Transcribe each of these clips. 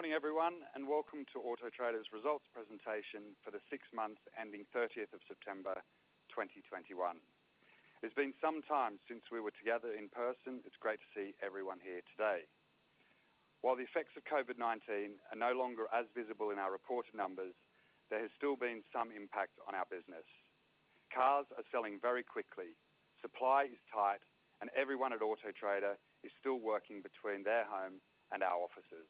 Good morning, everyone, and welcome to Auto Trader's results presentation for the six months ending 30th of September 2021. It's been some time since we were together in person. It's great to see everyone here today. While the effects of COVID-19 are no longer as visible in our report numbers, there has still been some impact on our business. Cars are selling very quickly, supply is tight, and everyone at Auto Trader is still working between their home and our offices.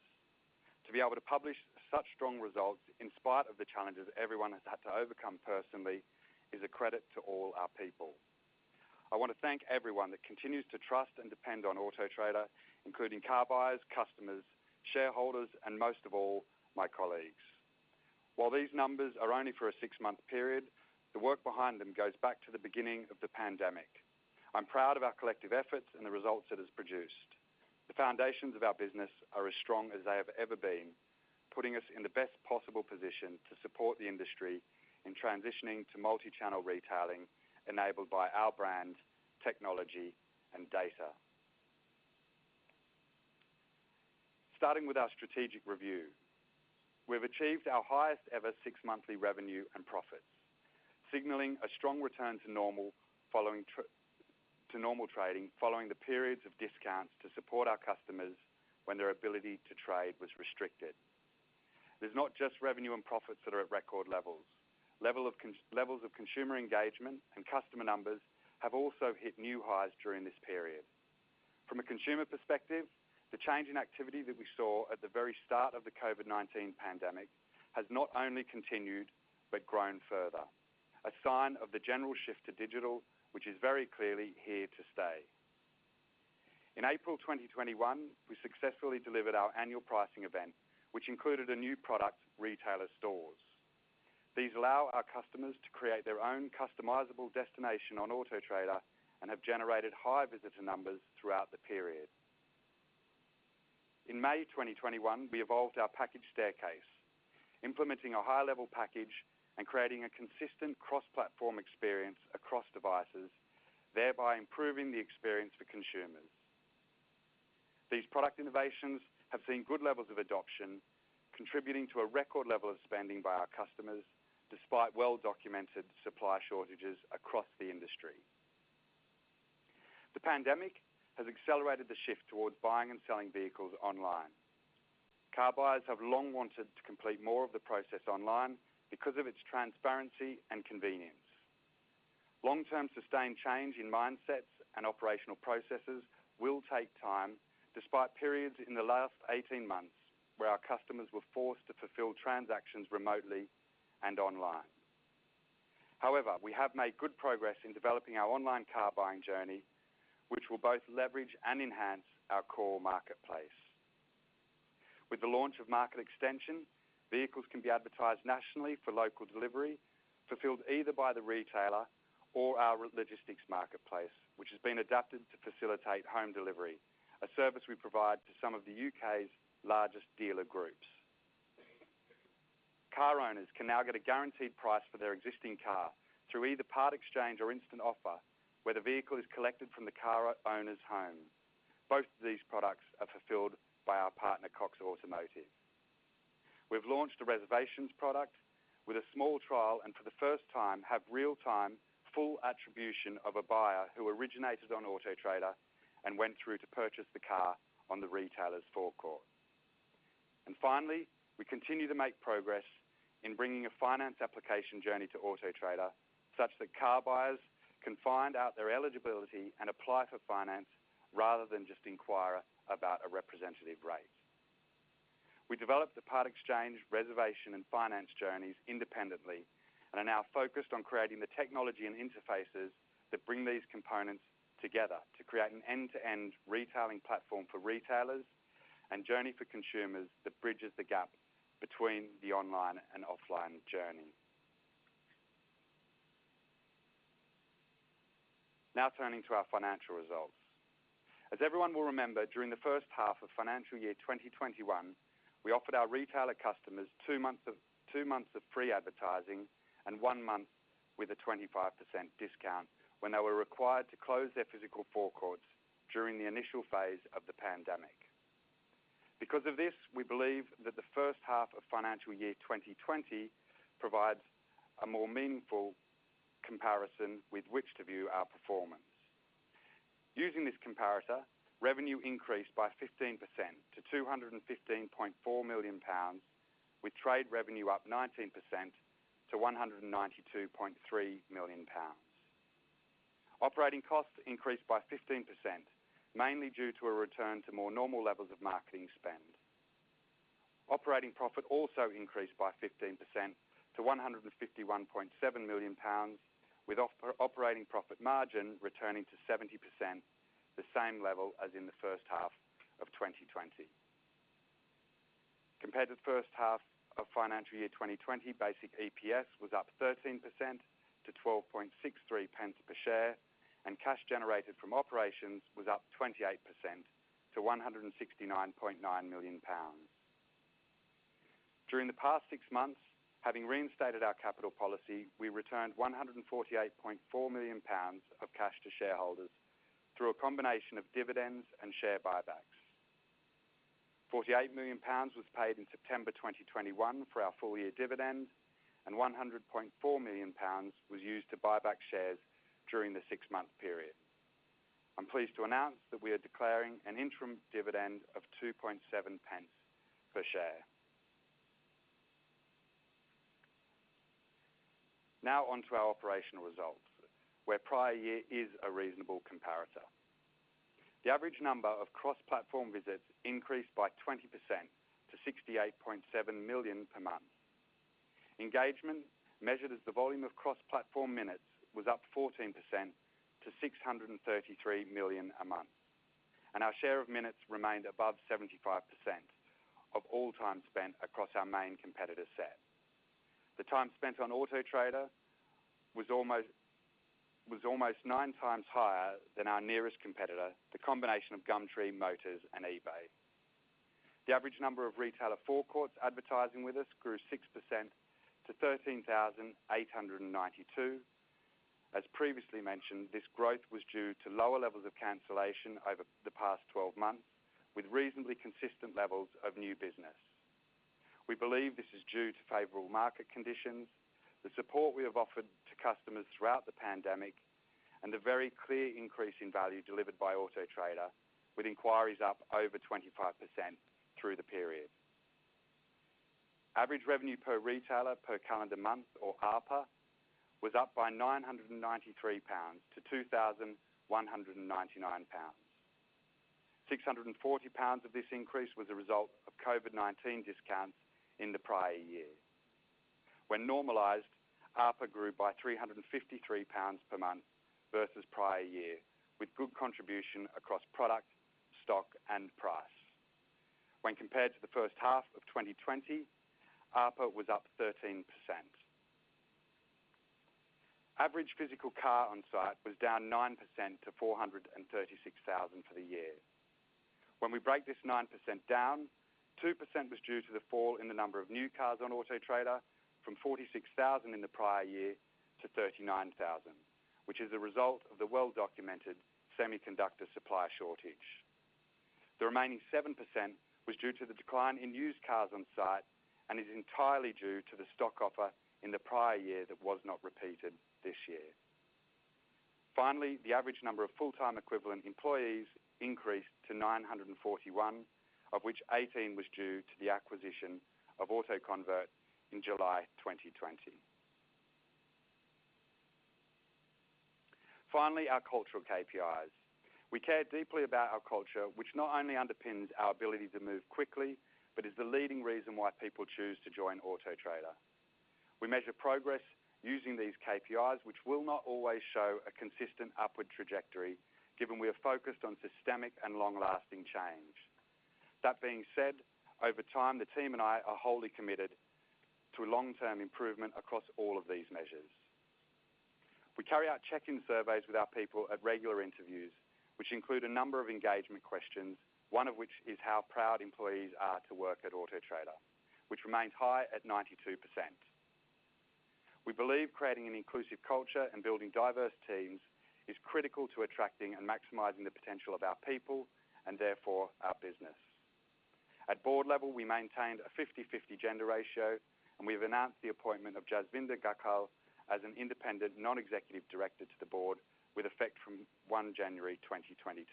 To be able to publish such strong results in spite of the challenges everyone has had to overcome personally is a credit to all our people. I wanna thank everyone that continues to trust and depend on Auto Trader, including car buyers, customers, shareholders, and most of all, my colleagues. While these numbers are only for a six-month period, the work behind them goes back to the beginning of the pandemic. I'm proud of our collective efforts and the results it has produced. The foundations of our business are as strong as they have ever been, putting us in the best possible position to support the industry in transitioning to multi-channel retailing enabled by our brand, technology, and data, starting with our strategic review, we've achieved our highest ever six-monthly revenue and profits, signaling a strong return to normal trading following the periods of discounts to support our customers when their ability to trade was restricted. It's not just revenue and profits that are at record levels. Levels of consumer engagement and customer numbers have also hit new highs during this period. From a consumer perspective, the change in activity that we saw at the very start of the COVID-19 pandemic has not only continued, but grown further. A sign of the general shift to digital, which is very clearly here to stay. In April 2021, we successfully delivered our annual pricing event, which included a new product, Retailer Stores. These allow our customers to create their own customizable destination on Auto Trader and have generated high visitor numbers throughout the period. In May 2021, we evolved our package staircase, implementing a high-level package and creating a consistent cross-platform experience across devices, thereby improving the experience for consumers. These product innovations have seen good levels of adoption, contributing to a record level of spending by our customers, despite well-documented supply shortages across the industry. The pandemic has accelerated the shift towards buying and selling vehicles online. Car buyers have long wanted to complete more of the process online because of its transparency and convenience. Long-term sustained change in mindsets and operational processes will take time, despite periods in the last 18 months where our customers were forced to fulfill transactions remotely and online. However, we have made good progress in developing our online car buying journey, which will both leverage and enhance our core marketplace. With the launch of Market Extension, vehicles can be advertised nationally for local delivery, fulfilled either by the retailer or our logistics marketplace, which has been adapted to facilitate home delivery, a service we provide to some of the U.K.'s largest dealer groups. Car owners can now get a guaranteed price for their existing car through either part exchange or Instant Offer, where the vehicle is collected from the car owner's home. Both of these products are fulfilled by our partner, Cox Automotive. We've launched a reservations product with a small trial, and for the first time, have real-time, full attribution of a buyer who originated on Auto Trader and went through to purchase the car on the retailer's forecourt. Finally, we continue to make progress in bringing a finance application journey to Auto Trader, such that car buyers can find out their eligibility and apply for finance rather than just inquire about a representative rate. We developed the part exchange, reservation, and finance journeys independently, and are now focused on creating the technology and interfaces that bring these components together to create an end-to-end retailing platform for retailers and journey for consumers that bridges the gap between the online and offline journey. Now turning to our financial results. As everyone will remember, during the first half of financial year 2021, we offered our retailer customers two months of free advertising and one month with a 25% discount when they were required to close their physical forecourts during the initial phase of the pandemic. Because of this, we believe that the first half of financial year 2020 provides a more meaningful comparison with which to view our performance. Using this comparator, revenue increased by 15% to 215.4 million pounds, with trade revenue up 19% to 192.3 million pounds. Operating costs increased by 15%, mainly due to a return to more normal levels of marketing spend. Operating profit also increased by 15% to 151.7 million pounds, with operating profit margin returning to 70%, the same level as in the first half of 2020. Compared to the first half of financial year 2020, basic EPS was up 13% to 0.1263 per share, and cash generated from operations was up 28% to 169.9 million pounds. During the past six months, having reinstated our capital policy, we returned 148.4 million pounds of cash to shareholders through a combination of dividends and share buybacks. 48 million pounds was paid in September 2021 for our full year dividend, and 100.4 million pounds was used to buy back shares during the six-month period. I'm pleased to announce that we are declaring an interim dividend of 0.027 per share. Now on to our operational results, where prior year is a reasonable comparator. The average number of cross-platform visits increased by 20% to 68.7 million per month. Engagement, measured as the volume of cross-platform minutes, was up 14% to 633 million a month, and our share of minutes remained above 75% of all time spent across our main competitor set. The time spent on Auto Trader was almost nine times higher than our nearest competitor, the combination of Gumtree, Motors, and eBay. The average number of retailer forecourts advertising with us grew 6% to 13,89`2. As previously mentioned, this growth was due to lower levels of cancellation over the past 12 months, with reasonably consistent levels of new business. We believe this is due to favorable market conditions, the support we have offered to customers throughout the pandemic, and a very clear increase in value delivered by Auto Trader, with inquiries up over 25% through the period. Average revenue per retailer per calendar month or ARPA was up by 993 pounds to 2,199 pounds. 640 pounds of this increase was a result of COVID-19 discounts in the prior year. When normalized, ARPA grew by 353 pounds per month versus prior year, with good contribution across product, stock, and price. When compared to the first half of 2020, ARPA was up 13%. Average physical cars on site was down 9% to 436,000 for the year. When we break this 9% down, 2% was due to the fall in the number of new cars on Auto Trader from 46,000 in the prior year to 39,000, which is a result of the well-documented semiconductor supply shortage. The remaining 7% was due to the decline in used cars on site and is entirely due to the stock offer in the prior year that was not repeated this year. The average number of full-time equivalent employees increased to 941, of which 18 was due to the acquisition of AutoConvert in July 2020. Our cultural KPIs. We care deeply about our culture, which not only underpins our ability to move quickly, but is the leading reason why people choose to join Auto Trader. We measure progress using these KPIs, which will not always show a consistent upward trajectory given we are focused on systemic and long-lasting change. That being said, over time, the team and I are wholly committed to long-term improvement across all of these measures. We carry out check-in surveys with our people at regular interviews, which include a number of engagement questions, one of which is how proud employees are to work at Auto Trader, which remains high at 92%. We believe creating an inclusive culture and building diverse teams is critical to attracting and maximizing the potential of our people and therefore our business. At board level, we maintained a 50/50 gender ratio, and we've announced the appointment of Jasvinder Gakhal as an Independent Non-Executive Director to the board with effect from 1 January 2022.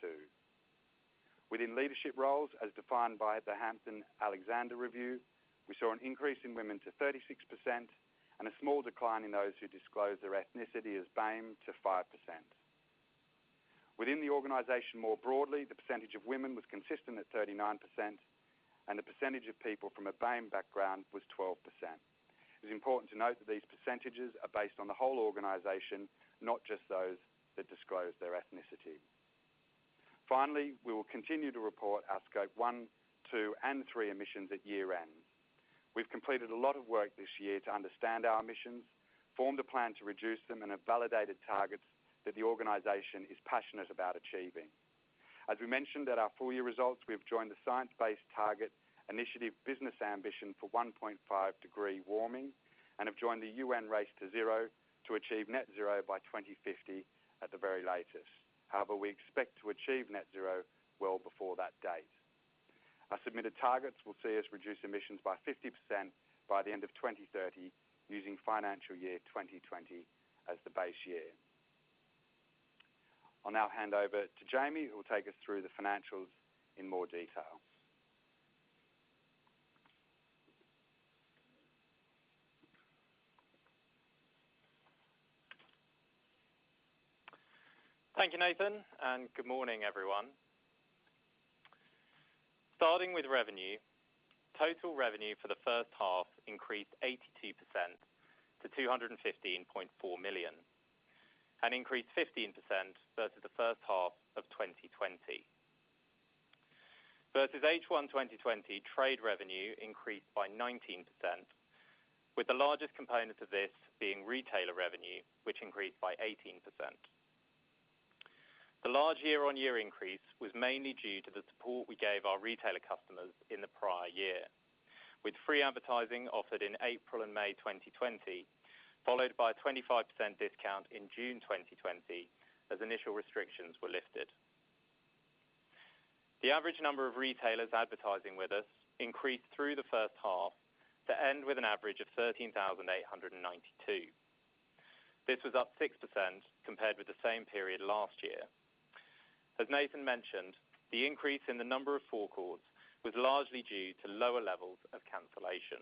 Within leadership roles, as defined by the Hampton-Alexander review, we saw an increase in women to 36% and a small decline in those who disclose their ethnicity as BAME to 5%. Within the organization more broadly, the percentage of women was consistent at 39%, and the percentage of people from a BAME background was 12%. It's important to note that these percentages are based on the whole organization, not just those that disclose their ethnicity. Finally, we will continue to report our Scope 1, 2, and 3 emissions at year-end. We've completed a lot of work this year to understand our emissions, formed a plan to reduce them, and have validated targets that the organization is passionate about achieving. As we mentioned at our full year results, we have joined the Science Based Targets initiative business ambition for 1.5 degree warming, and have joined the UN Race to Zero to achieve net zero by 2050 at the very latest. However, we expect to achieve net zero well before that date. Our submitted targets will see us reduce emissions by 50% by the end of 2030 using financial year 2020 as the base year. I'll now hand over to Jamie, who will take us through the financials in more detail. Thank you, Nathan, and good morning, everyone. Starting with revenue, total revenue for the first half increased 82% to 215.4 million, and increased 15% versus the first half of 2020. Versus H1 2020 trade revenue increased by 19% with the largest component of this being retailer revenue, which increased by 18%. The large year-on-year increase was mainly due to the support we gave our retailer customers in the prior year, with free advertising offered in April and May 2020, followed by a 25% discount in June 2020 as initial restrictions were lifted. The average number of retailers advertising with us increased through the first half to end with an average of 13,892. This was up 6% compared with the same period last year. As Nathan mentioned, the increase in the number of forecourts was largely due to lower levels of cancellation.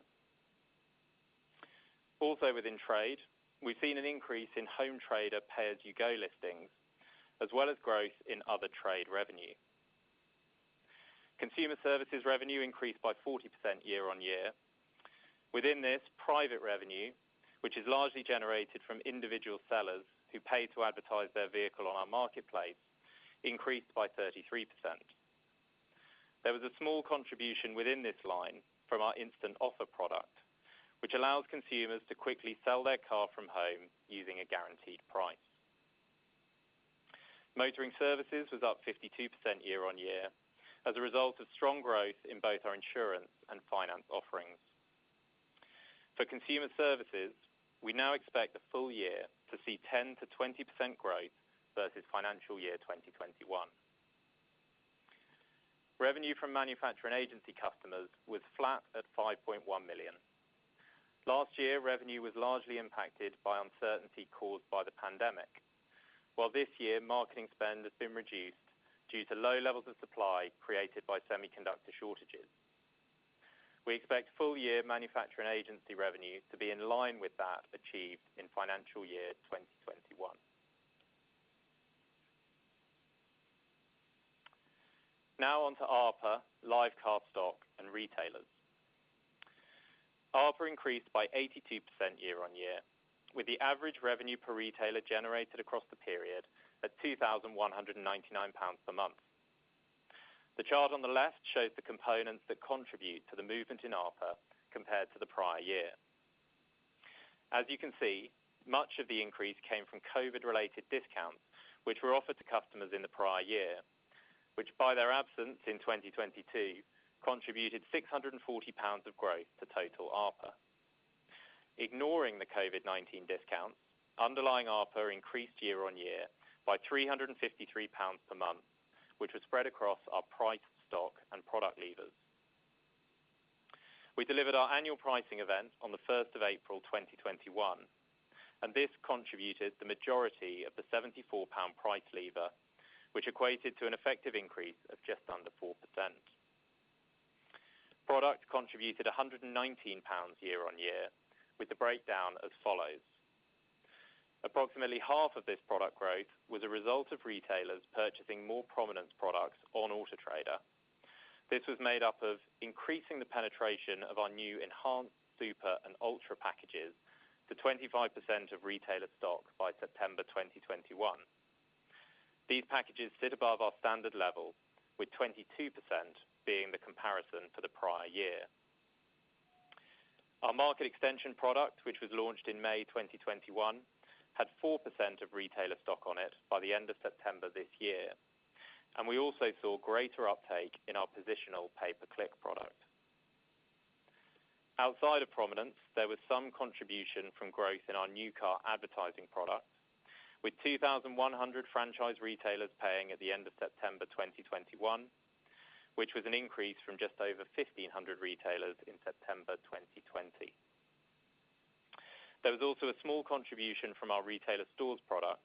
Also within trade, we've seen an increase in home trader pay-as-you-go listings, as well as growth in other trade revenue. Consumer services revenue increased by 40% year-on-year. Within this private revenue, which is largely generated from individual sellers who pay to advertise their vehicle on our marketplace, increased by 33%. There was a small contribution within this line from our Instant Offer product, which allows consumers to quickly sell their car from home using a guaranteed price. Motoring services was up 52% year-on-year as a result of strong growth in both our insurance and finance offerings. For consumer services, we now expect the full year to see 10%-20% growth versus financial year 2021. Revenue from manufacturer and agency customers was flat at 5.1 million. Last year, revenue was largely impacted by uncertainty caused by the pandemic, while this year marketing spend has been reduced due to low levels of supply created by semiconductor shortages. We expect full year manufacturer and agency revenue to be in line with that achieved in financial year 2021. Now on to ARPA, live car stock, and retailers. ARPA increased by 82% year-on-year, with the average revenue per retailer generated across the period at 2,199 pounds per month. The chart on the left shows the components that contribute to the movement in ARPA compared to the prior year. As you can see, much of the increase came from COVID-related discounts, which were offered to customers in the prior year, which by their absence in 2022, contributed 640 pounds of growth to total ARPA. Ignoring the COVID-19 discount, underlying ARPA increased year-on-year by 353 pounds per month, which was spread across our price, stock, and product levers. We delivered our annual pricing event on April 1, 2021, and this contributed the majority of the 74 pound price lever, which equated to an effective increase of just under 4%. Product contributed 119 pounds year-on-year, with the breakdown as follows. Approximately half of this product growth was a result of retailers purchasing more prominence products on Auto Trader. This was made up of increasing the penetration of our new Enhanced, Super, and Ultra packages to 25% of retailer stock by September 2021. These packages sit above our standard level, with 22% being the comparison for the prior year. Our Market Extension product, which was launched in May 2021, had 4% of retailer stock on it by the end of September this year. We also saw greater uptake in our positional pay-per-click product. Outside of prominence, there was some contribution from growth in our new car advertising product with 2,100 franchise retailers paying at the end of September 2021, which was an increase from just over 1,500 retailers in September 2020. There was also a small contribution from our Retailer Stores product,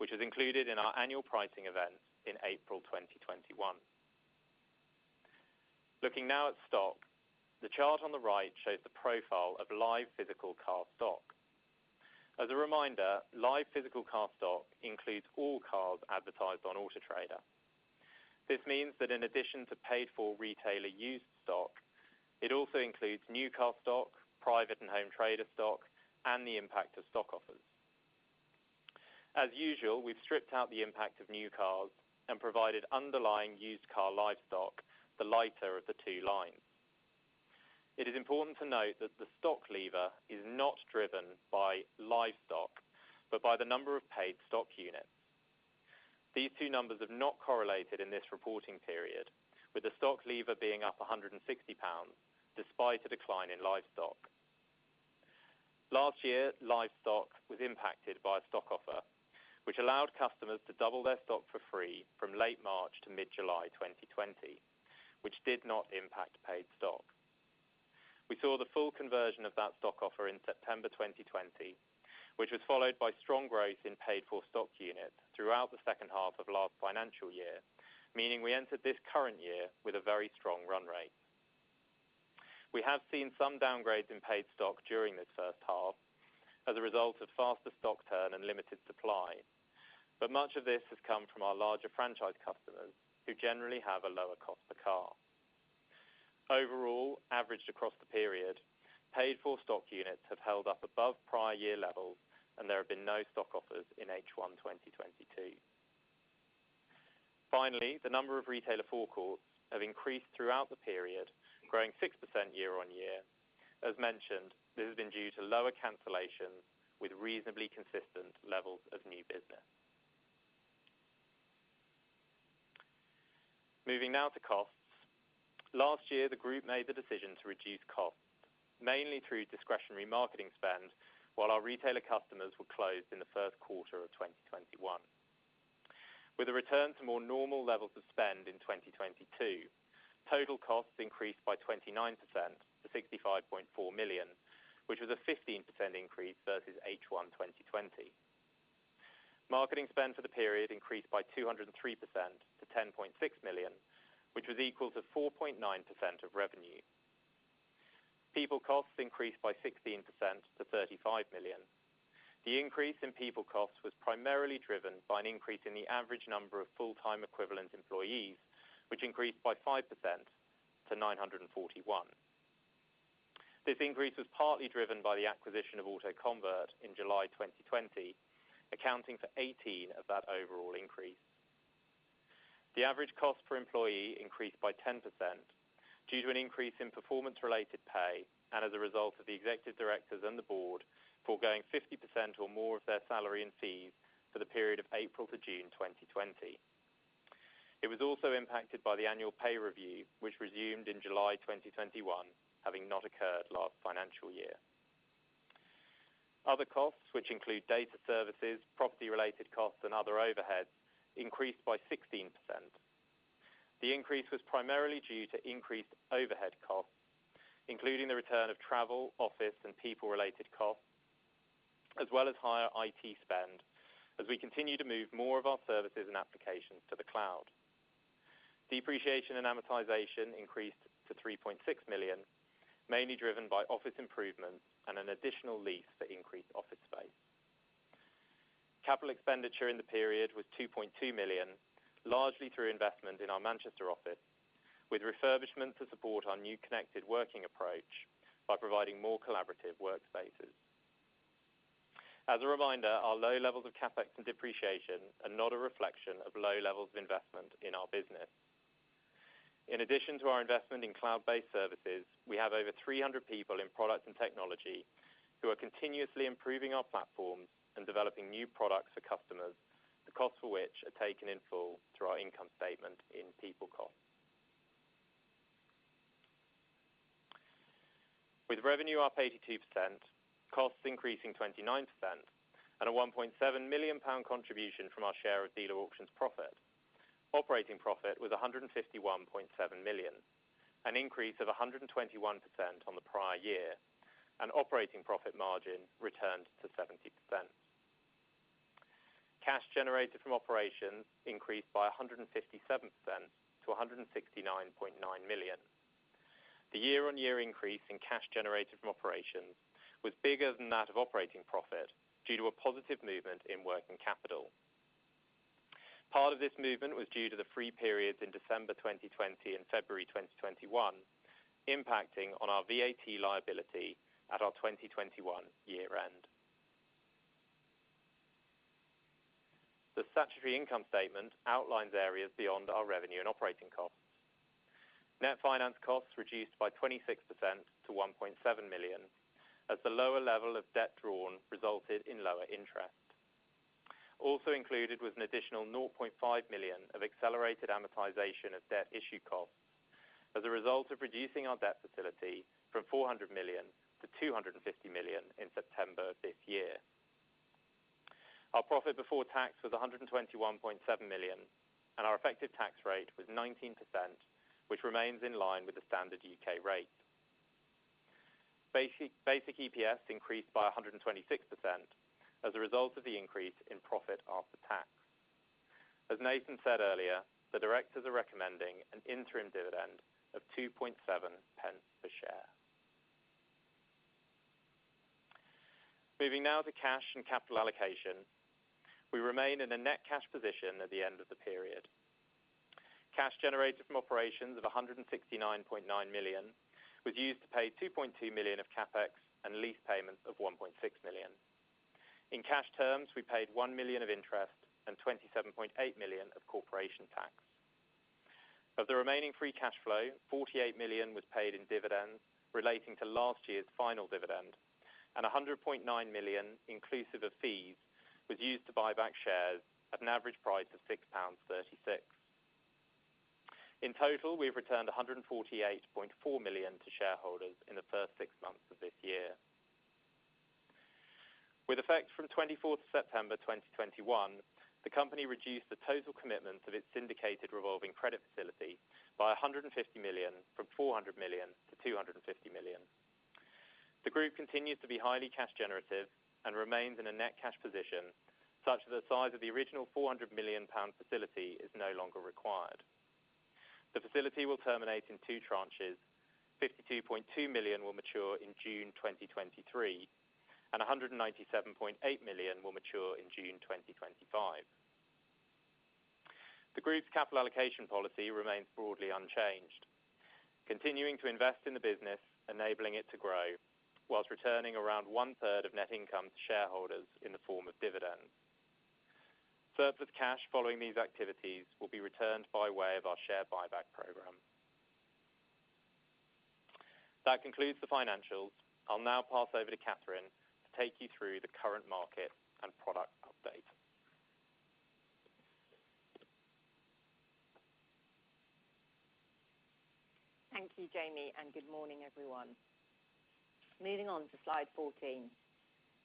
which is included in our annual pricing event in April 2021. Looking now at stock, the chart on the right shows the profile of live physical car stock. As a reminder, live physical car stock includes all cars advertised on Auto Trader. This means that in addition to paid for retailer used stock, it also includes new car stock, private and home trader stock, and the impact of stock offers. As usual, we've stripped out the impact of new cars and provided underlying used car live stock, the lighter of the two lines. It is important to note that the stock lever is not driven by live stock, but by the number of paid stock units. These two numbers have not correlated in this reporting period, with the stock lever being up 160 pounds despite a decline in live stock. Last year, live stock was impacted by a stock offer, which allowed customers to double their stock for free from late March to mid-July 2020, which did not impact paid stock. We saw the full conversion of that stock offer in September 2020, which was followed by strong growth in paid for stock unit throughout the second half of last financial year, meaning we entered this current year with a very strong run rate. We have seen some downgrades in paid stock during this first half as a result of faster stock turn and limited supply. Much of this has come from our larger franchise customers who generally have a lower cost per car. Overall, averaged across the period, paid-for stock units have held up above prior year levels, and there have been no stock offers in H1 2022. Finally, the number of retailer forecourts has increased throughout the period, growing 6% year-on-year. As mentioned, this has been due to lower cancellations with reasonably consistent levels of new business. Moving now to costs. Last year, the group made the decision to reduce costs, mainly through discretionary marketing spend while our retailer customers were closed in the first quarter of 2021. With a return to more normal levels of spend in 2022, total costs increased by 29% to 65.4 million, which was a 15% increase versus H1 2020. Marketing spend for the period increased by 203% to 10.6 million, which was equal to 4.9% of revenue. People costs increased by 16% to 35 million. The increase in people costs was primarily driven by an increase in the average number of full-time equivalent employees, which increased by 5% to 941. This increase was partly driven by the acquisition of AutoConvert in July 2020, accounting for 18 of that overall increase. The average cost per employee increased by 10% due to an increase in performance-related pay and as a result of the executive directors and the board foregoing 50% or more of their salary and fees for the period of April to June 2020. It was also impacted by the annual pay review, which resumed in July 2021, having not occurred last financial year. Other costs, which include data services, property related costs, and other overheads, increased by 16%. The increase was primarily due to increased overhead costs, including the return of travel, office, and people related costs, as well as higher IT spend as we continue to move more of our services and applications to the cloud. Depreciation and amortization increased to 3.6 million, mainly driven by office improvements and an additional lease for increased office space. Capital expenditure in the period was 2.2 million, largely through investment in our Manchester office, with refurbishment to support our new connected working approach by providing more collaborative workspaces. As a reminder, our low levels of CapEx and depreciation are not a reflection of low levels of investment in our business. In addition to our investment in cloud-based services, we have over 300 people in product and technology who are continuously improving our platforms and developing new products for customers, the cost for which are taken in full through our income statement in people costs. With revenue up 82%, costs increasing 29%, and a 1.7 million pound contribution from our share of Dealer Auction's profit, operating profit was 151.7 million, an increase of 121% on the prior year, and operating profit margin returned to 70%. Cash generated from operations increased by 157% to 169.9 million. The year-on-year increase in cash generated from operations was bigger than that of operating profit due to a positive movement in working capital. Part of this movement was due to the free periods in December 2020 and February 2021 impacting on our VAT liability at our 2021 year end. The statutory income statement outlines areas beyond our revenue and operating costs. Net finance costs reduced by 26% to 1.7 million, as the lower level of debt drawn resulted in lower interest. Also included was an additional 0.5 million of accelerated amortization of debt issue costs as a result of reducing our debt facility from 400 million to 250 million in September this year. Our profit before tax was 121.7 million, and our effective tax rate was 19%, which remains in line with the standard U.K. rate. Basic EPS increased by 126% as a result of the increase in profit after tax. As Nathan said earlier, the directors are recommending an interim dividend of 0.027 per share. Moving now to cash and capital allocation. We remain in a net cash position at the end of the period. Cash generated from operations of 169.9 million was used to pay 2.2 million of CapEx and lease payments of 1.6 million. In cash terms, we paid 1 million of interest and 27.8 million of corporation tax. Of the remaining free cash flow, 48 million was paid in dividends relating to last year's final dividend and 100.9 million, inclusive of fees, was used to buy back shares at an average price of 6.36 pounds. In total, we've returned 148.4 million to shareholders in the first six months of this year. With effect from 24th September 2021, the company reduced the total commitment of its syndicated revolving credit facility by 150 million from 400 million to 250 million. The group continues to be highly cash generative and remains in a net cash position such that the size of the original 400 million pound facility is no longer required. The facility will terminate in two tranches. 52.2 million will mature in June 2023, and 197.8 million will mature in June 2025. The Group's capital allocation policy remains broadly unchanged, continuing to invest in the business, enabling it to grow, while returning around 1/3 of net income to shareholders in the form of dividends. Surplus cash following these activities will be returned by way of our share buyback program. That concludes the financials. I'll now pass over to Catherine to take you through the current market and product update. Thank you, Jamie, and good morning, everyone. Moving on to slide 14.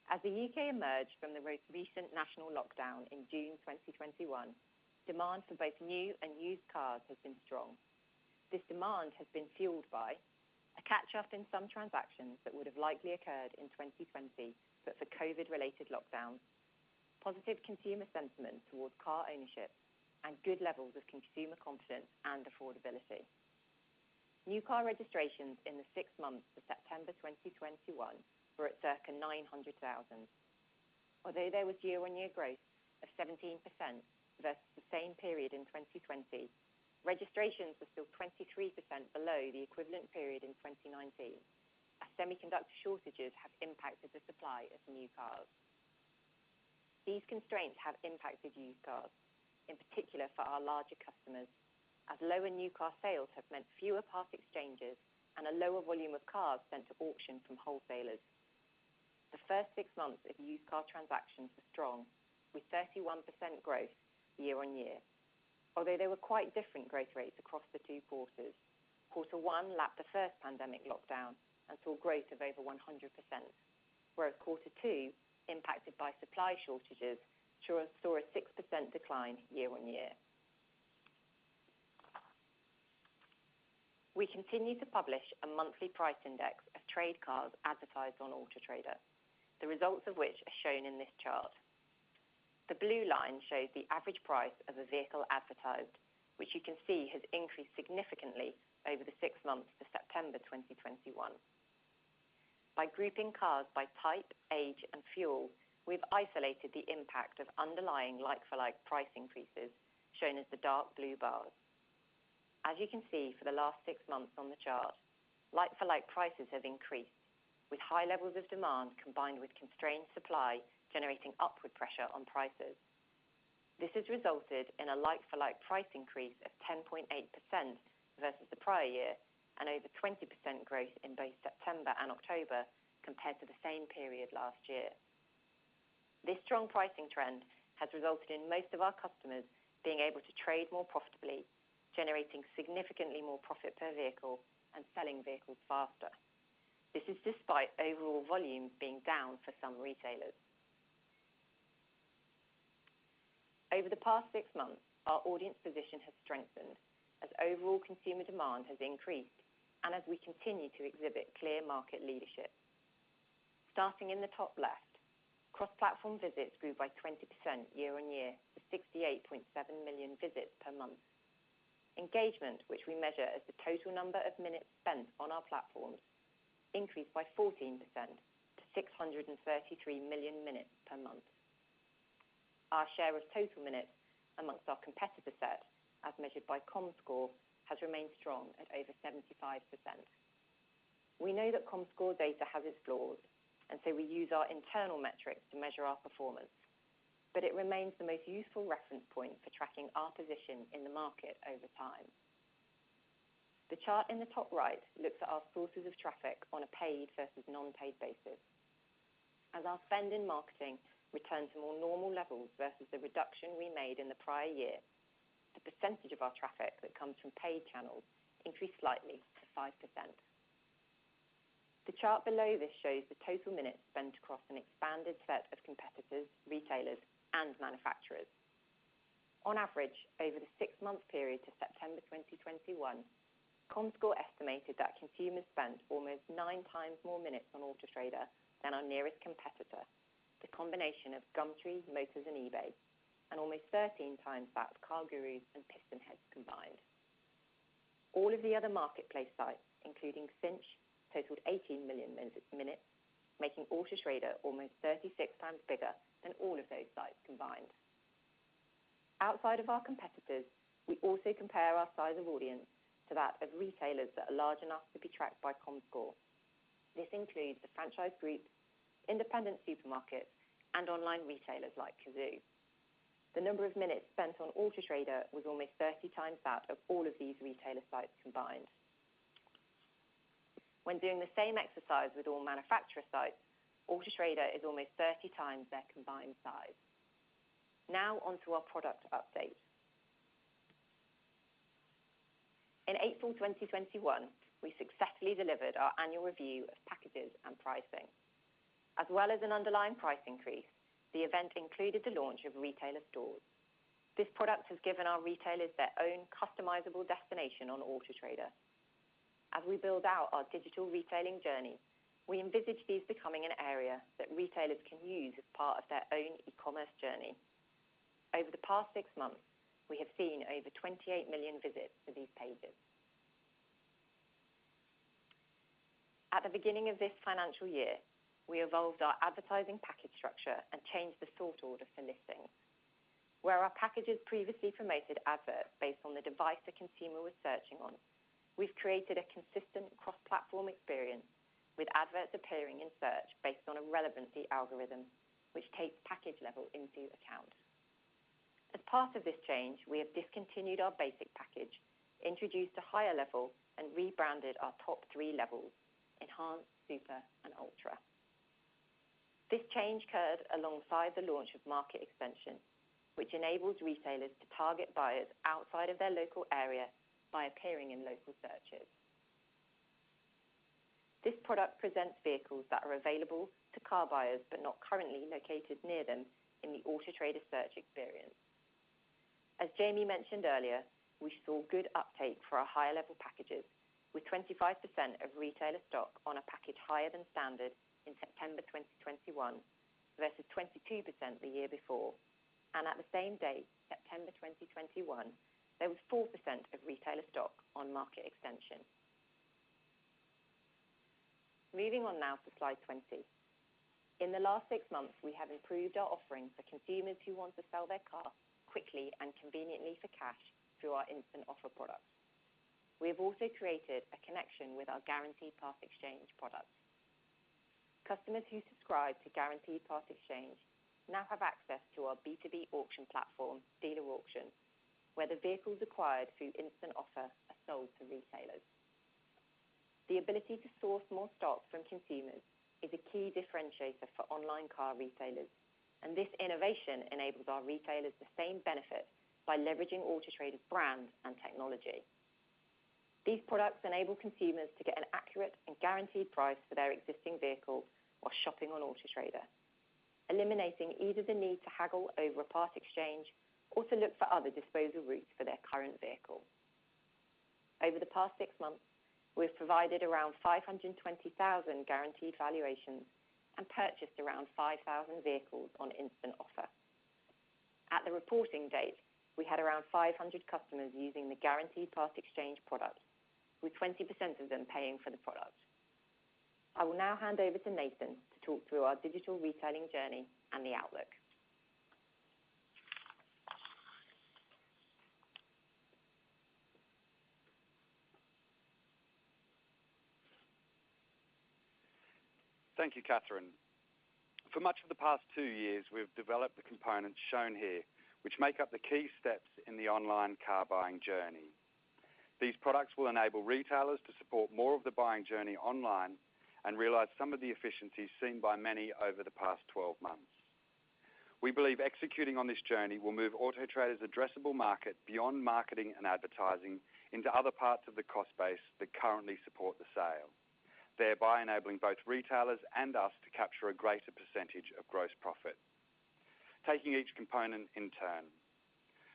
As the U.K. emerged from the most recent national lockdown in June 2021, demand for both new and used cars has been strong. This demand has been fueled by a catch-up in some transactions that would have likely occurred in 2020, but for COVID-related lockdowns, positive consumer sentiment towards car ownership, and good levels of consumer confidence and affordability. New car registrations in the six months to September 2021 were at circa 900,000. Although there was year-on-year growth of 17% versus the same period in 2020, registrations are still 23% below the equivalent period in 2019, as semiconductor shortages have impacted the supply of new cars. These constraints have impacted used cars, in particular for our larger customers, as lower new car sales have meant fewer part exchanges and a lower volume of cars sent to auction from wholesalers. The first six months of used car transactions were strong, with 31% growth year-on-year, although there were quite different growth rates across the two quarters. Quarter one lapped the first pandemic lockdown and saw growth of over 100%, whereas quarter two, impacted by supply shortages, saw a 6% decline year-on-year. We continue to publish a monthly price index of trade cars advertised on Auto Trader, the results of which are shown in this chart. The blue line shows the average price of a vehicle advertised, which you can see has increased significantly over the six months to September 2021. By grouping cars by type, age, and fuel, we've isolated the impact of underlying like-for-like price increases shown as the dark blue bars. As you can see, for the last six months on the chart, like-for-like prices have increased, with high levels of demand combined with constrained supply generating upward pressure on prices. This has resulted in a like-for-like price increase of 10.8% versus the prior year and over 20% growth in both September and October compared to the same period last year. This strong pricing trend has resulted in most of our customers being able to trade more profitably, generating significantly more profit per vehicle and selling vehicles faster. This is despite overall volume being down for some retailers. Over the past six months, our audience position has strengthened as overall consumer demand has increased and as we continue to exhibit clear market leadership. Starting in the top left, cross-platform visits grew by 20% year-on-year to 68.7 million visits per month. Engagement, which we measure as the total number of minutes spent on our platforms, increased by 14% to 633 million minutes per month. Our share of total minutes amongst our competitor set, as measured by Comscore, has remained strong at over 75%. We know that Comscore data has its flaws, and so we use our internal metrics to measure our performance, but it remains the most useful reference point for tracking our position in the market over time. The chart in the top right looks at our sources of traffic on a paid versus non-paid basis. As our spend in marketing returns to more normal levels versus the reduction we made in the prior year, the percentage of our traffic that comes from paid channels increased slightly to 5%. The chart below this shows the total minutes spent across an expanded set of competitors, retailers, and manufacturers. On average, over the six-month period to September 2021, Comscore estimated that consumers spent almost 9x more minutes on Auto Trader than our nearest competitor, the combination of Gumtree, Motors, and eBay, and almost 13x that of CarGurus and PistonHeads combined. All of the other marketplace sites, including Cinch, totaled 18 million minutes, making Auto Trader almost 36x bigger than all of those sites combined. Outside of our competitors, we also compare our size of audience to that of retailers that are large enough to be tracked by Comscore. This includes the franchise groups, independent supermarkets and online retailers like Cazoo. The number of minutes spent on Auto Trader was almost 30x that of all of these retailer sites combined. When doing the same exercise with all manufacturer sites, Auto Trader is almost 30x their combined size. Now on to our product update. In April 2021, we successfully delivered our annual review of packages and pricing. As well as an underlying price increase, the event included the launch of Retailer Stores. This product has given our retailers their own customizable destination on Auto Trader. As we build out our digital retailing journey, we envisage these becoming an area that retailers can use as part of their own e-commerce journey. Over the past six months, we have seen over 28 million visits to these pages. At the beginning of this financial year, we evolved our advertising package structure and changed the sort order for listings. Where our packages previously promoted adverts based on the device the consumer was searching on, we've created a consistent cross-platform experience with adverts appearing in search based on a relevancy algorithm, which takes package level into account. As part of this change, we have discontinued our basic package, introduced a higher level, and rebranded our top three levels Enhanced, Super and Ultra. This change occurred alongside the launch of Market Extension, which enables retailers to target buyers outside of their local area by appearing in local searches. This product presents vehicles that are available to car buyers but not currently located near them in the Auto Trader search experience. As Jamie mentioned earlier, we saw good uptake for our higher-level packages, with 25% of retailer stock on a package higher than standard in September 2021 versus 22% the year before. At the same date, September 2021, there was 4% of retailer stock on Market Extension. Moving on now to slide 20. In the last six months, we have improved our offering for consumers who want to sell their car quickly and conveniently for cash through our Instant Offer product. We have also created a connection with our Guaranteed Part-Exchange product. Customers who subscribe to Guaranteed Part-Exchange now have access to our B2B auction platform, Dealer Auction, where the vehicles acquired through Instant Offer are sold to retailers. The ability to source more stock from consumers is a key differentiator for online car retailers, and this innovation enables our retailers the same benefit by leveraging Auto Trader's brand and technology. These products enable consumers to get an accurate and guaranteed price for their existing vehicle while shopping on Auto Trader, eliminating either the need to haggle over a part exchange or to look for other disposal routes for their current vehicle. Over the past six months, we've provided around 520,000 guaranteed valuations and purchased around 5,000 vehicles on Instant Offer. At the reporting date, we had around 500 customers using the Guaranteed Part-Exchange product, with 20% of them paying for the product. I will now hand over to Nathan to talk through our digital retailing journey and the outlook. Thank you, Catherine. For much of the past two years, we've developed the components shown here, which make up the key steps in the online car buying journey. These products will enable retailers to support more of the buying journey online and realize some of the efficiencies seen by many over the past 12 months. We believe executing on this journey will move Auto Trader's addressable market beyond marketing and advertising into other parts of the cost base that currently support the sale, thereby enabling both retailers and us to capture a greater percentage of gross profit. Taking each component in turn.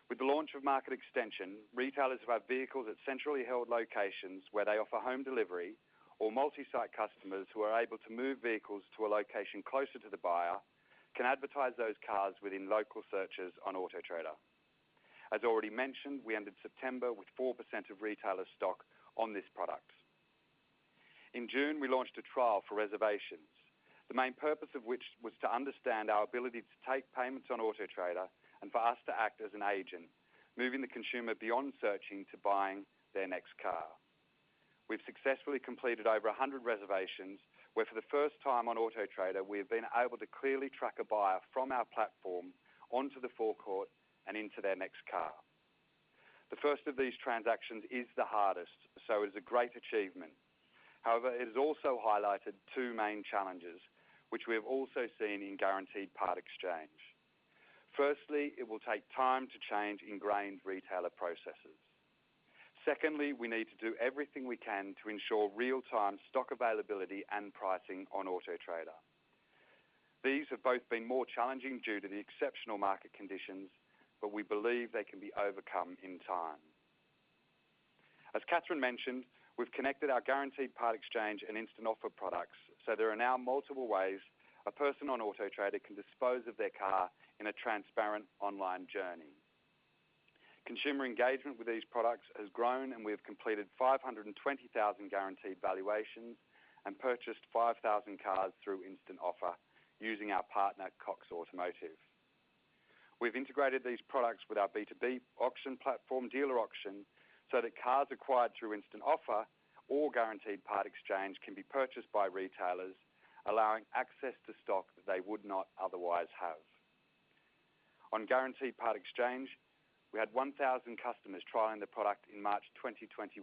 With the launch of Market Extension, retailers who have vehicles at centrally held locations where they offer home delivery or multi-site customers who are able to move vehicles to a location closer to the buyer can advertise those cars within local searches on Auto Trader. As already mentioned, we ended September with 4% of retailer stock on this product. In June, we launched a trial for reservations, the main purpose of which was to understand our ability to take payments on Auto Trader and for us to act as an agent, moving the consumer beyond searching to buying their next car. We've successfully completed over 100 reservations, where for the first time on Auto Trader, we have been able to clearly track a buyer from our platform onto the forecourt and into their next car. The first of these transactions is the hardest, so it is a great achievement. However, it has also highlighted two main challenges, which we have also seen in Guaranteed Part-Exchange. Firstly, it will take time to change ingrained retailer processes. Secondly, we need to do everything we can to ensure real-time stock availability and pricing on Auto Trader. These have both been more challenging due to the exceptional market conditions, but we believe they can be overcome in time. As Catherine mentioned, we've connected our Guaranteed Part-Exchange and Instant Offer products, so there are now multiple ways a person on Auto Trader can dispose of their car in a transparent online journey. Consumer engagement with these products has grown, and we have completed 520,000 guaranteed valuations and purchased 5,000 cars through Instant Offer using our partner Cox Automotive. We've integrated these products with our B2B auction platform, Dealer Auction, so that cars acquired through Instant Offer or Guaranteed Part-Exchange can be purchased by retailers, allowing access to stock that they would not otherwise have. On Guaranteed Part-Exchange, we had 1,000 customers trialing the product in March 2021.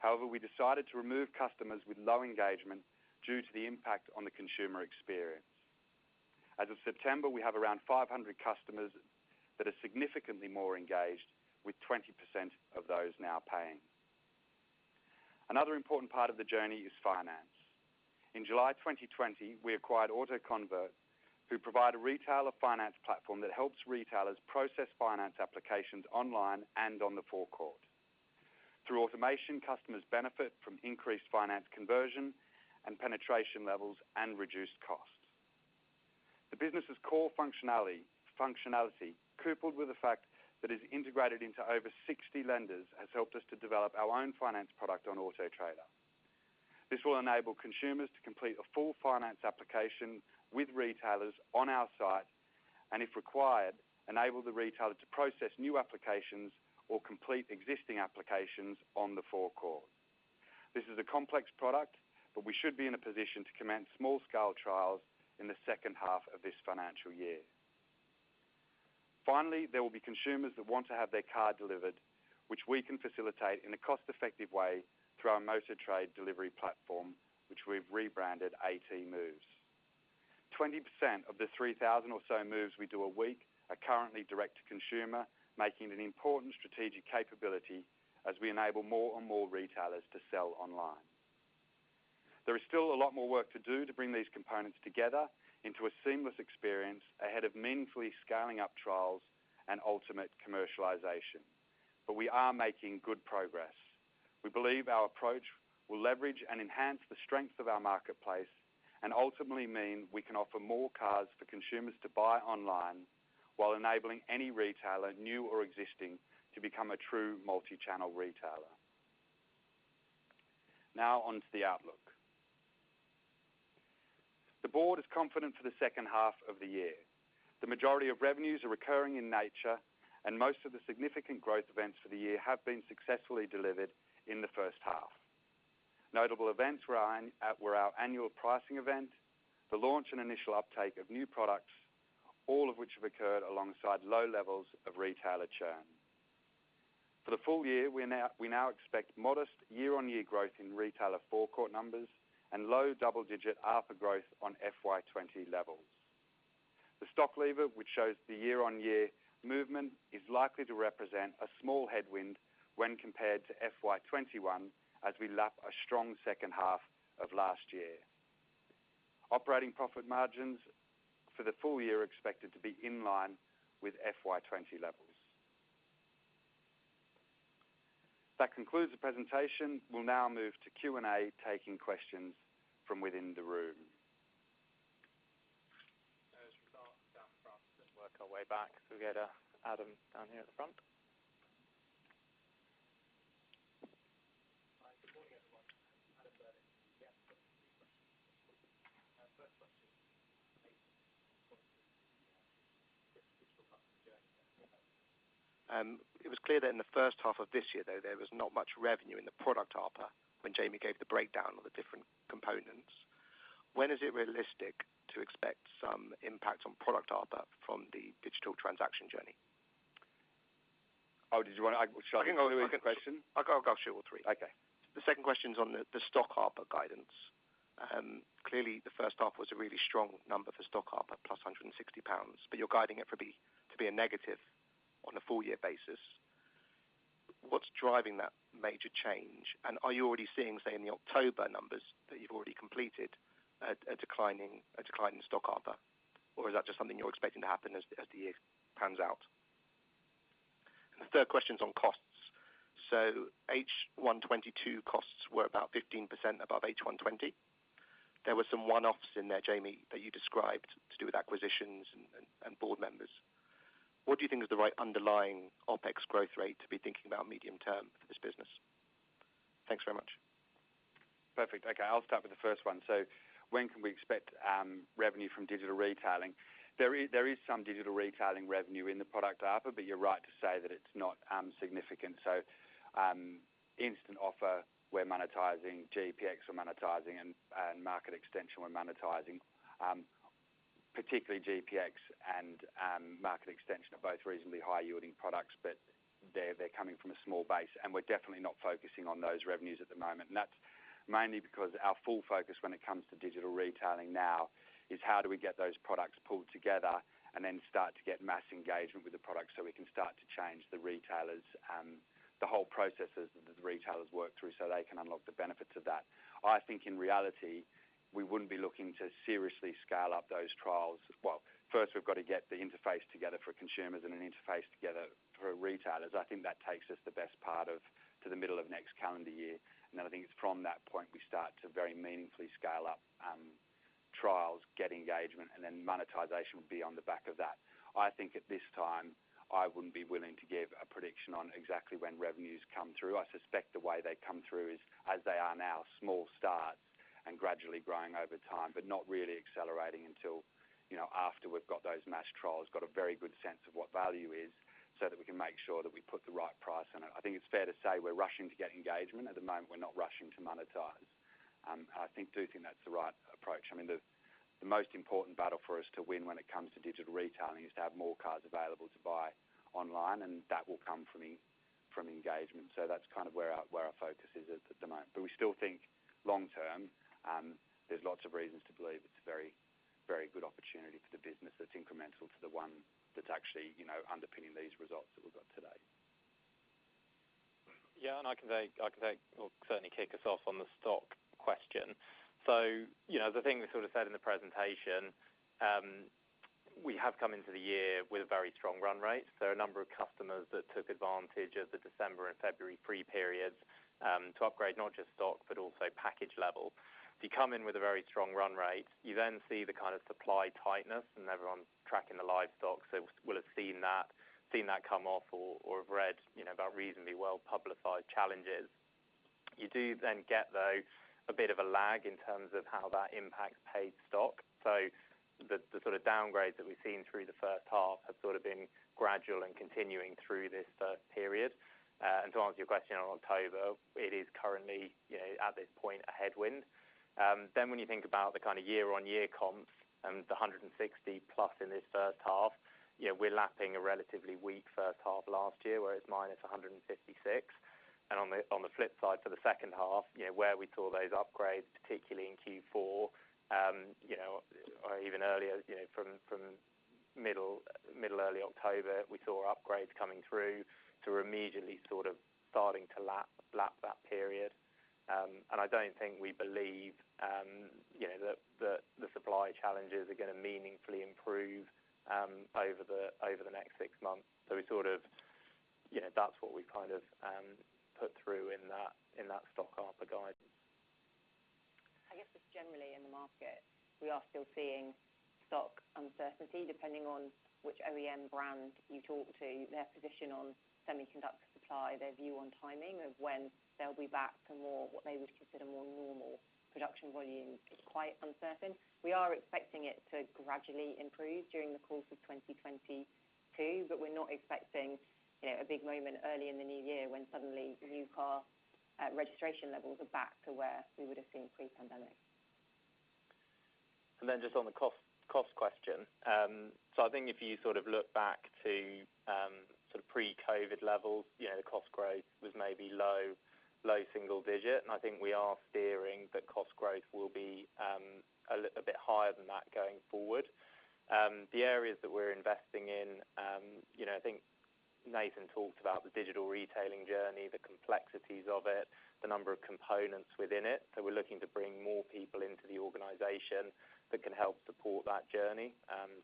However, we decided to remove customers with low engagement due to the impact on the consumer experience. As of September, we have around 500 customers that are significantly more engaged with 20% of those now paying. Another important part of the journey is finance. In July 2020, we acquired AutoConvert, who provide a retailer finance platform that helps retailers process finance applications online and on the forecourt. Through automation, customers benefit from increased finance conversion and penetration levels and reduced costs. The business' core functionality coupled with the fact that it's integrated into over 60 lenders has helped us to develop our own finance product on Auto Trader. This will enable consumers to complete a full finance application with retailers on our site, and if required, enable the retailer to process new applications or complete existing applications on the forecourt. This is a complex product, but we should be in a position to commence small scale trials in the second half of this financial year. Finally, there will be consumers that want to have their car delivered, which we can facilitate in a cost-effective way through our Motor Trade Delivery platform, which we've rebranded AT Moves. 20% of the 3,000 or so moves we do a week are currently direct to consumer, making it an important strategic capability as we enable more and more retailers to sell online. There is still a lot more work to do to bring these components together into a seamless experience ahead of meaningfully scaling up trials and ultimate commercialization. We are making good progress. We believe our approach will leverage and enhance the strength of our marketplace and ultimately mean we can offer more cars for consumers to buy online while enabling any retailer, new or existing, to become a true multi-channel retailer. Now on to the outlook. The board is confident for the second half of the year. The majority of revenues are recurring in nature, and most of the significant growth events for the year have been successfully delivered in the first half. Notable events were our annual pricing event, the launch and initial uptake of new products, all of which have occurred alongside low levels of retailer churn. For the full year, we now expect modest year-on-year growth in retailer forecourt numbers and low double-digit ARPA growth on FY 2020 levels. The stock level, which shows the year-on-year movement, is likely to represent a small headwind when compared to FY 2021, as we lap a strong second half of last year. Operating profit margins for the full year are expected to be in line with FY 2020 levels. That concludes the presentation. We'll now move to Q&A, taking questions from within the room. As we start down front, let's work our way back. We got Adam down here at the front. Hi, good morning, everyone. Adam Berlin. It was clear that in the first half of this year, though, there was not much revenue in the product ARPA when Jamie gave the breakdown of the different components. When is it realistic to expect some impact on product ARPA from the digital transaction journey? Oh, did you want to? Shall I go with the second question? I'll go shoot all three. Okay. The second question's on the stock ARPA guidance. Clearly the first half was a really strong number for stock ARPA, +160 pounds, but you're guiding it to be a negative on a full year basis. What's driving that major change? And are you already seeing, say, in the October numbers that you've already completed a decline in stock ARPA? Or is that just something you're expecting to happen as the year pans out? The third question's on costs. H1 2022 costs were about 15% above H1 2020. There were some one-offs in there, Jamie, that you described to do with acquisitions and board members. What do you think is the right underlying OpEx growth rate to be thinking about medium term for this business? Thanks very much. Perfect. Okay. I'll start with the first one. When can we expect revenue from digital retailing? There is some digital retailing revenue in the product ARPA, but you're right to say that it's not significant. Instant Offer, we're monetizing, GPX, we're monetizing, and Market Extension, we're monetizing. Particularly GPX and Market Extension are both reasonably high-yielding products, but they're coming from a small base, and we're definitely not focusing on those revenues at the moment. That's mainly because our full focus when it comes to digital retailing now is how do we get those products pulled together and then start to get mass engagement with the product so we can start to change the retailers, the whole processes that the retailers work through so they can unlock the benefits of that. I think in reality, we wouldn't be looking to seriously scale up those trials. Well, first, we've got to get the interface together for consumers and an interface together for retailers. I think that takes us the best part of to the middle of next calendar year. I think it's from that point we start to very meaningfully scale up, trials, get engagement, and then monetization would be on the back of that. I think at this time, I wouldn't be willing to give a prediction on exactly when revenues come through. I suspect the way they come through is, as they are now, small start and gradually growing over time, but not really accelerating until, you know, after we've got those mass trials, got a very good sense of what value is so that we can make sure that we put the right price on it. I think it's fair to say we're rushing to get engagement. At the moment, we're not rushing to monetize. I do think that's the right approach. I mean, the most important battle for us to win when it comes to digital retailing is to have more cars available to buy online, and that will come from engagement. That's kind of where our focus is at the moment. We still think long term, there's lots of reasons to believe it's a very, very good opportunity for the business that's incremental to the one that's actually, you know, underpinning these results that we've got today. Yeah. I can say, well, certainly kick us off on the stock question. You know, the thing we sort of said in the presentation, We have come into the year with a very strong run rate. A number of customers that took advantage of the December and February pre-periods to upgrade not just stock, but also package level. If you come in with a very strong run rate, you then see the kind of supply tightness and everyone tracking the live stock. We'll have seen that come off or have read, you know, about reasonably well-publicized challenges. You do then get, though, a bit of a lag in terms of how that impacts paid stock. The sort of downgrade that we've seen through the first half has sort of been gradual and continuing through this first period. To answer your question on October, it is currently, you know, at this point, a headwind. When you think about the kind of year-on-year comp and the 160+ in this first half, you know, we're lapping a relatively weak first half last year, whereas -156. On the flip side for the second half, you know, where we saw those upgrades, particularly in Q4, or even earlier, you know, from mid-early October, we saw upgrades coming through to immediately sort of starting to lap that period. I don't think we believe, you know, that the supply challenges are gonna meaningfully improve over the next six months. We sort of, you know, that's what we kind of put through in that sort of ARPA guidance. I guess just generally in the market, we are still seeing stock uncertainty depending on which OEM brand you talk to, their position on semiconductor supply, their view on timing of when they'll be back to more what they would consider more normal production volumes is quite uncertain. We are expecting it to gradually improve during the course of 2022, but we're not expecting, you know, a big moment early in the new year when suddenly new car registration levels are back to where we would have seen pre-pandemic. Just on the cost question. I think if you sort of look back to sort of pre-COVID levels, you know, the cost growth was maybe low single digit. I think we are steering that cost growth will be a bit higher than that going forward. The areas that we're investing in, you know, I think Nathan talked about the digital retailing journey, the complexities of it, the number of components within it. We're looking to bring more people into the organization that can help support that journey.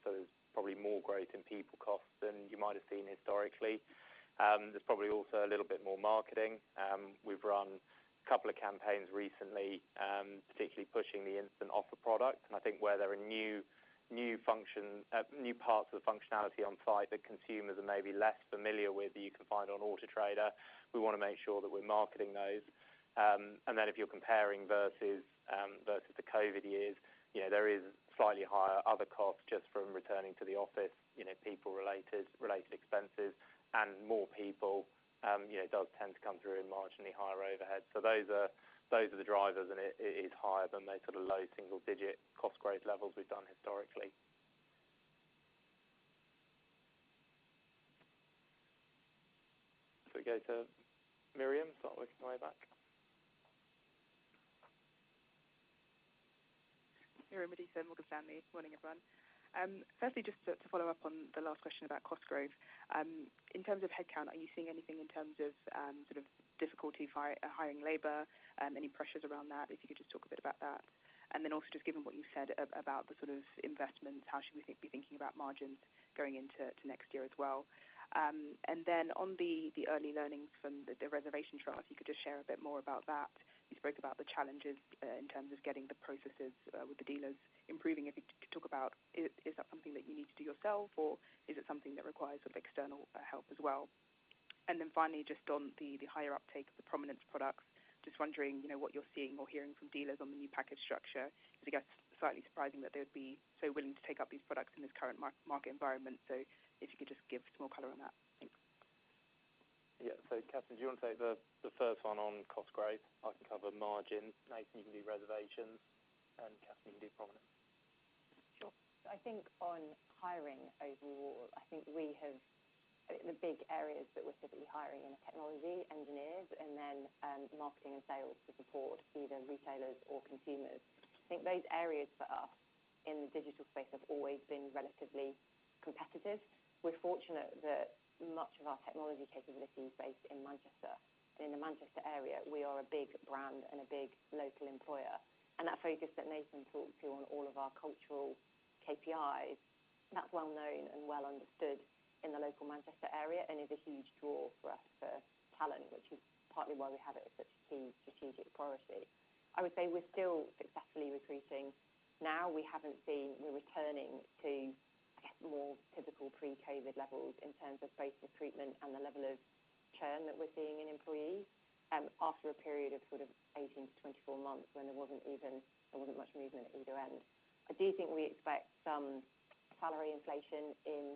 There's probably more growth in people costs than you might have seen historically. There's probably also a little bit more marketing. We've run a couple of campaigns recently, particularly pushing the Instant Offer product. I think where there are new parts of the functionality on site that consumers are maybe less familiar with that you can find on Auto Trader, we wanna make sure that we're marketing those. Then if you're comparing versus the COVID years, you know, there is slightly higher other costs just from returning to the office, you know, people related expenses and more people, you know, does tend to come through in marginally higher overhead. Those are the drivers and it is higher than those sort of low single-digit cost growth levels we've done historically. If we go to Miriam, start working my way back. Miriam Adisa, Morgan Stanley. Morning, everyone. Firstly, just to follow up on the last question about cost growth. In terms of headcount, are you seeing anything in terms of sort of difficulty hiring labor, any pressures around that? If you could just talk a bit about that. Also just given what you said about the sort of investments, how should we be thinking about margins going into next year as well? On the early learnings from the reservation trust, you could just share a bit more about that. You spoke about the challenges in terms of getting the processes with the dealers improving. If you could talk about is that something that you need to do yourself, or is it something that requires sort of external help as well? Finally, just on the higher uptake of the prominence products, just wondering, you know, what you're seeing or hearing from dealers on the new package structure, because I guess slightly surprising that they would be so willing to take up these products in this current market environment. If you could just give some more color on that. Thanks. Yeah. Catherine, do you wanna take the first one on cost growth? I can cover margin. Nathan, you can do reservations, and Catherine, you can do prominence. Sure. I think on hiring overall, the big areas that we're typically hiring in are technology, engineers, and then, marketing and sales to support either retailers or consumers. I think those areas for us in the digital space have always been relatively competitive. We're fortunate that much of our technology capability is based in Manchester. In the Manchester area, we are a big brand and a big local employer. That focus that Nathan talked to on all of our cultural KPIs, that's well known and well understood in the local Manchester area and is a huge draw for us for talent, which is partly why we have it as such a key strategic priority. I would say we're still successfully recruiting. We're returning to, I guess, more typical pre-COVID levels in terms of pace of recruitment and the level of churn that we're seeing in employees, after a period of sort of 18 months-24 months when there wasn't much movement at either end. I do think we expect some salary inflation in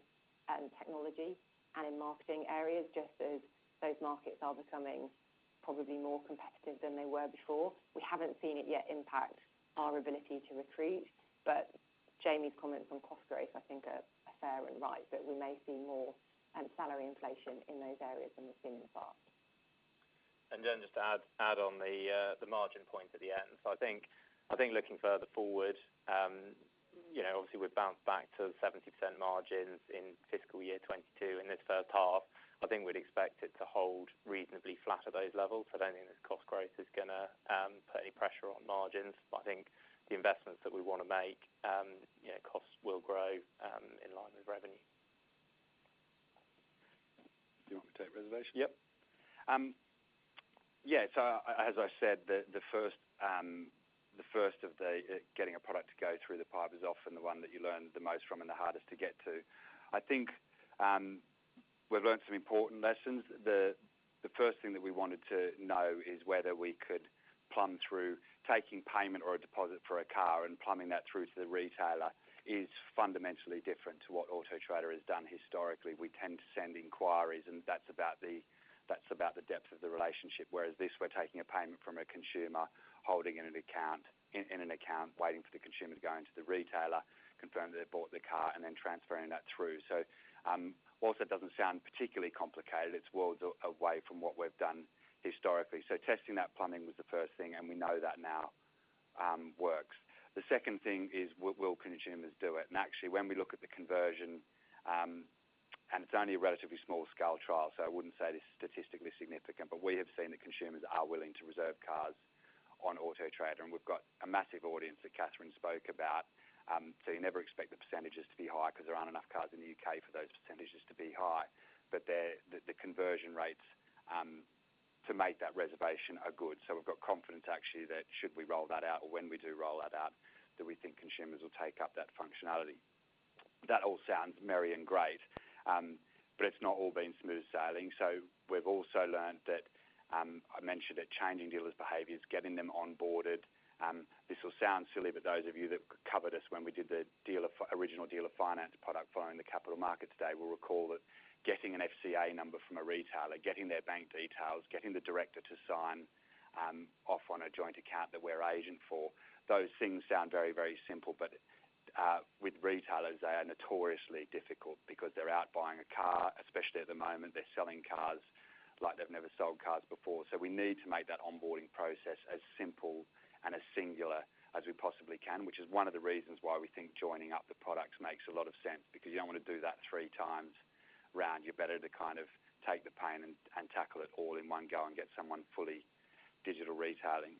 technology and in marketing areas, just as those markets are becoming probably more competitive than they were before. We haven't seen it yet impact our ability to recruit, but Jamie's comments on cost growth I think are fair and right, that we may see more salary inflation in those areas than we've seen in the past. Just to add on the margin point at the end. I think looking further forward, you know, obviously we've bounced back to 70% margins in fiscal year 2022 in this first half. I think we'd expect it to hold reasonably flat at those levels. I don't think this cost growth is gonna put any pressure on margins. I think the investments that we wanna make, you know, costs will grow in line with revenue. Do you want me to take reservation? Yep. Yeah. As I said, the first of getting a product to go through the pipe is often the one that you learn the most from and the hardest to get to. I think, we've learned some important lessons. The first thing that we wanted to know is whether we could plumb through taking payment or a deposit for a car, and plumbing that through to the retailer is fundamentally different to what Auto Trader has done historically. We tend to send inquiries, and that's about the depth of the relationship. Whereas this, we're taking a payment from a consumer, holding it in an account, waiting for the consumer to go into the retailer, confirm that they bought the car, and then transferring that through. While it doesn't sound particularly complicated, it's worlds away from what we've done historically. Testing that plumbing was the first thing, and we know that now works. The second thing is will consumers do it? Actually, when we look at the conversion, and it's only a relatively small-scale trial, so I wouldn't say this is statistically significant, but we have seen that consumers are willing to reserve cars on Auto Trader. We've got a massive audience that Catherine spoke about, so you never expect the percentages to be high because there aren't enough cars in the U.K. for those percentages to be high. But the conversion rates to make that reservation are good. We've got confidence actually that should we roll that out, or when we do roll that out, that we think consumers will take up that functionality. That all sounds merry and great, but it's not all been smooth sailing. We've also learned that, I mentioned that changing dealers' behaviors, getting them onboarded, this will sound silly, but those of you that covered us when we did the original dealer finance product following the Capital Markets Day will recall that getting an FCA number from a retailer, getting their bank details, getting the director to sign, off on a joint account that we're agent for, those things sound very, very simple. With retailers, they are notoriously difficult because they're out buying a car, especially at the moment, they're selling cars like they've never sold cars before. We need to make that onboarding process as simple and as singular as we possibly can, which is one of the reasons why we think joining up the products makes a lot of sense because you don't want to do that three times round. You're better to kind of take the pain and tackle it all in one go and get someone fully digital retailing.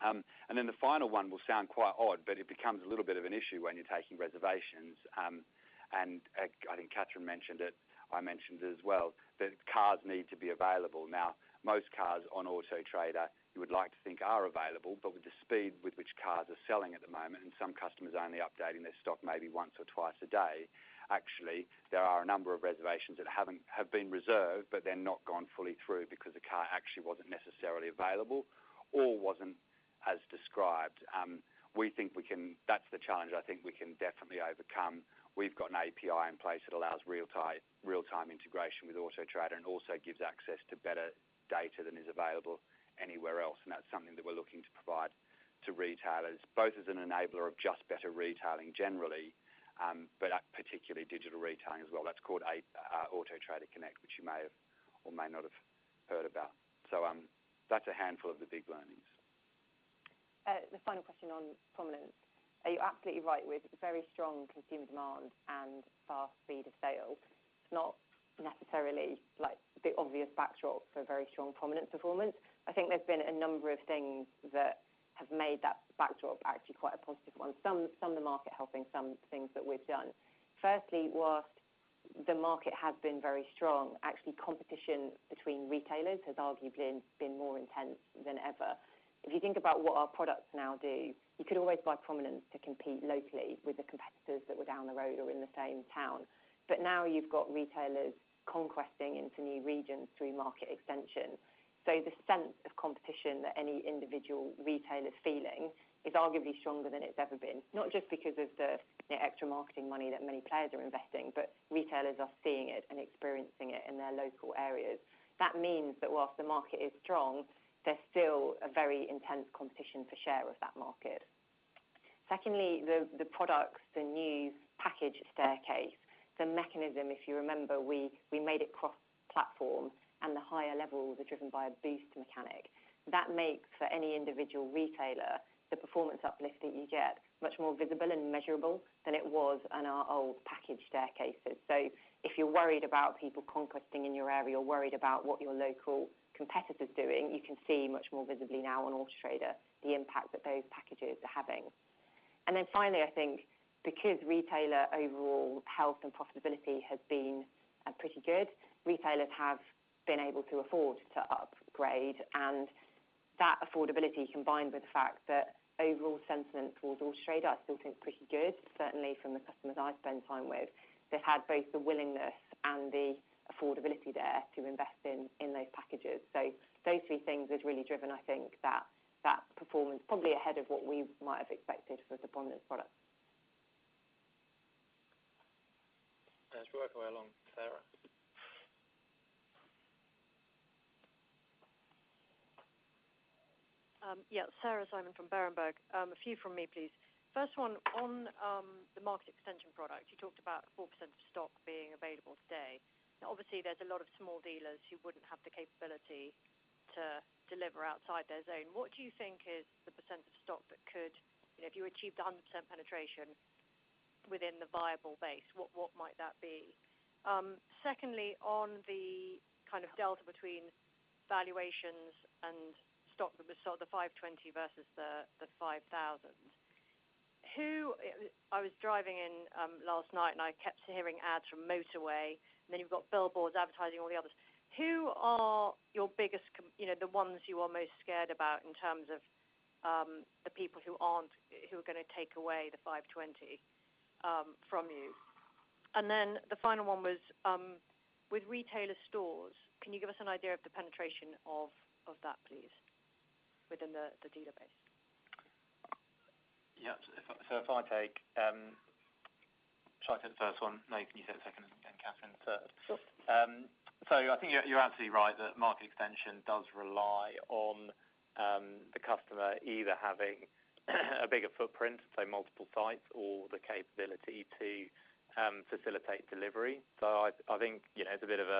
Then the final one will sound quite odd, but it becomes a little bit of an issue when you're taking reservations, and I think Catherine mentioned it, I mentioned it as well, that cars need to be available. Now, most cars on Auto Trader, you would like to think are available, but with the speed with which cars are selling at the moment, and some customers are only updating their stock maybe once or twice a day. Actually, there are a number of reservations that have been reserved, but they've not gone fully through because the car actually wasn't necessarily available or wasn't as described. We think we can. That's the challenge I think we can definitely overcome. We've got an API in place that allows real-time integration with Auto Trader and also gives access to better data than is available anywhere else. That's something that we're looking to provide to retailers, both as an enabler of just better retailing generally, but particularly digital retailing as well. That's called Auto Trader Connect, which you may have or may not have heard about. That's a handful of the big learnings. The final question on Prominence. Are you absolutely right with very strong consumer demand and fast speed of sale? It's not necessarily like the obvious backdrop for a very strong Prominence performance. I think there's been a number of things that have made that backdrop actually quite a positive one, some the market helping, some things that we've done. Firstly, while the market has been very strong, actually competition between retailers has arguably been more intense than ever. If you think about what our products now do, you could always buy Prominence to compete locally with the competitors that were down the road or in the same town. Now you've got retailers conquesting into new regions through Market Extension. The sense of competition that any individual retailer is feeling is arguably stronger than it's ever been, not just because of the extra marketing money that many players are investing, but retailers are seeing it and experiencing it in their local areas. That means that while the market is strong, there's still a very intense competition for share of that market. Secondly, the products, the new package staircase, the mechanism, if you remember, we made it cross-platform, and the higher levels are driven by a boost mechanic. That makes for any individual retailer, the performance uplift that you get much more visible and measurable than it was on our old package staircases. If you're worried about people conquesting in your area or worried about what your local competitor's doing, you can see much more visibly now on Auto Trader the impact that those packages are having. Then finally, I think because retailer overall health and profitability has been pretty good, retailers have been able to afford to upgrade. That affordability, combined with the fact that overall sentiment towards Auto Trader I still think is pretty good, certainly from the customers I've spent time with, they've had both the willingness and the affordability there to invest in those packages. Those three things have really driven, I think, that performance probably ahead of what we might have expected for the Prominence product. As we work our way along, Sarah. Sarah Simon from Berenberg. A few from me, please. First one, on the Market Extension product, you talked about 4% of stock being available today. Now obviously, there's a lot of small dealers who wouldn't have the capability to deliver outside their zone. What do you think is the % of stock that could, you know, if you achieved 100% penetration. Within the viable base, what might that be? Secondly, on the kind of delta between valuations and stock, so the 520,000 versus the 5,000. I was driving in last night, and I kept hearing ads from Motorway, and then you've got billboards advertising all the others. Who are your biggest competitors, you know, the ones you are most scared about in terms of the people who are gonna take away the 520,000 from you? Then the final one was with Retailer Stores, can you give us an idea of the penetration of that, please, within the dealer base? Yeah. Shall I take the first one? Nathan, you take the second, and Catherine third. Sure. I think you're absolutely right that Market Extension does rely on the customer either having a bigger footprint, so multiple sites, or the capability to facilitate delivery. I think, you know, it's a bit of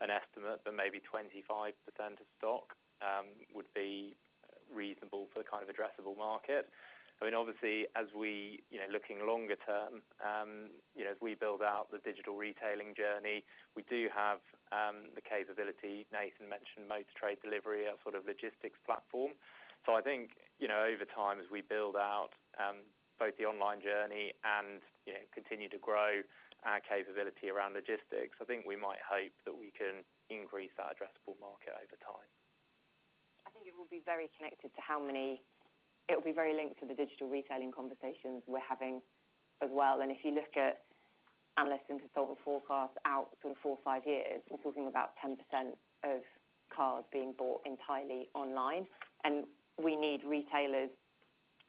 an estimate, but maybe 25% of stock would be reasonable for the kind of addressable market. I mean, obviously, as we, you know, looking longer term, you know, as we build out the digital retailing journey, we do have the capability. Nathan mentioned AT Moves, our sort of logistics platform. I think, you know, over time, as we build out both the online journey and, you know, continue to grow our capability around logistics, I think we might hope that we can increase our addressable market over time. I think it will be very connected to how many. It will be very linked to the digital retailing conversations we're having as well. If you look at analysts and consultant forecasts out sort of four, five years, we're talking about 10% of cars being bought entirely online. We need retailers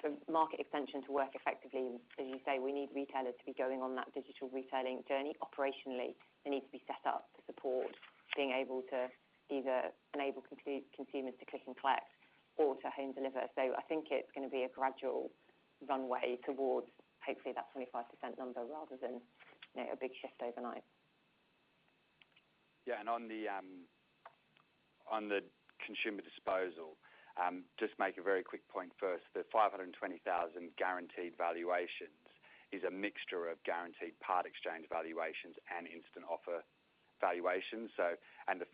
for market extension to work effectively. As you say, we need retailers to be going on that digital retailing journey operationally. They need to be set up to support being able to either enable consumers to click and collect or to home deliver. I think it's gonna be a gradual runway towards hopefully that 25% number rather than, you know, a big shift overnight. Yeah. On the consumer disposal, just make a very quick point first. The 520,000 guaranteed valuations is a mixture of Guaranteed Part-Exchange valuations and Instant Offer valuations. The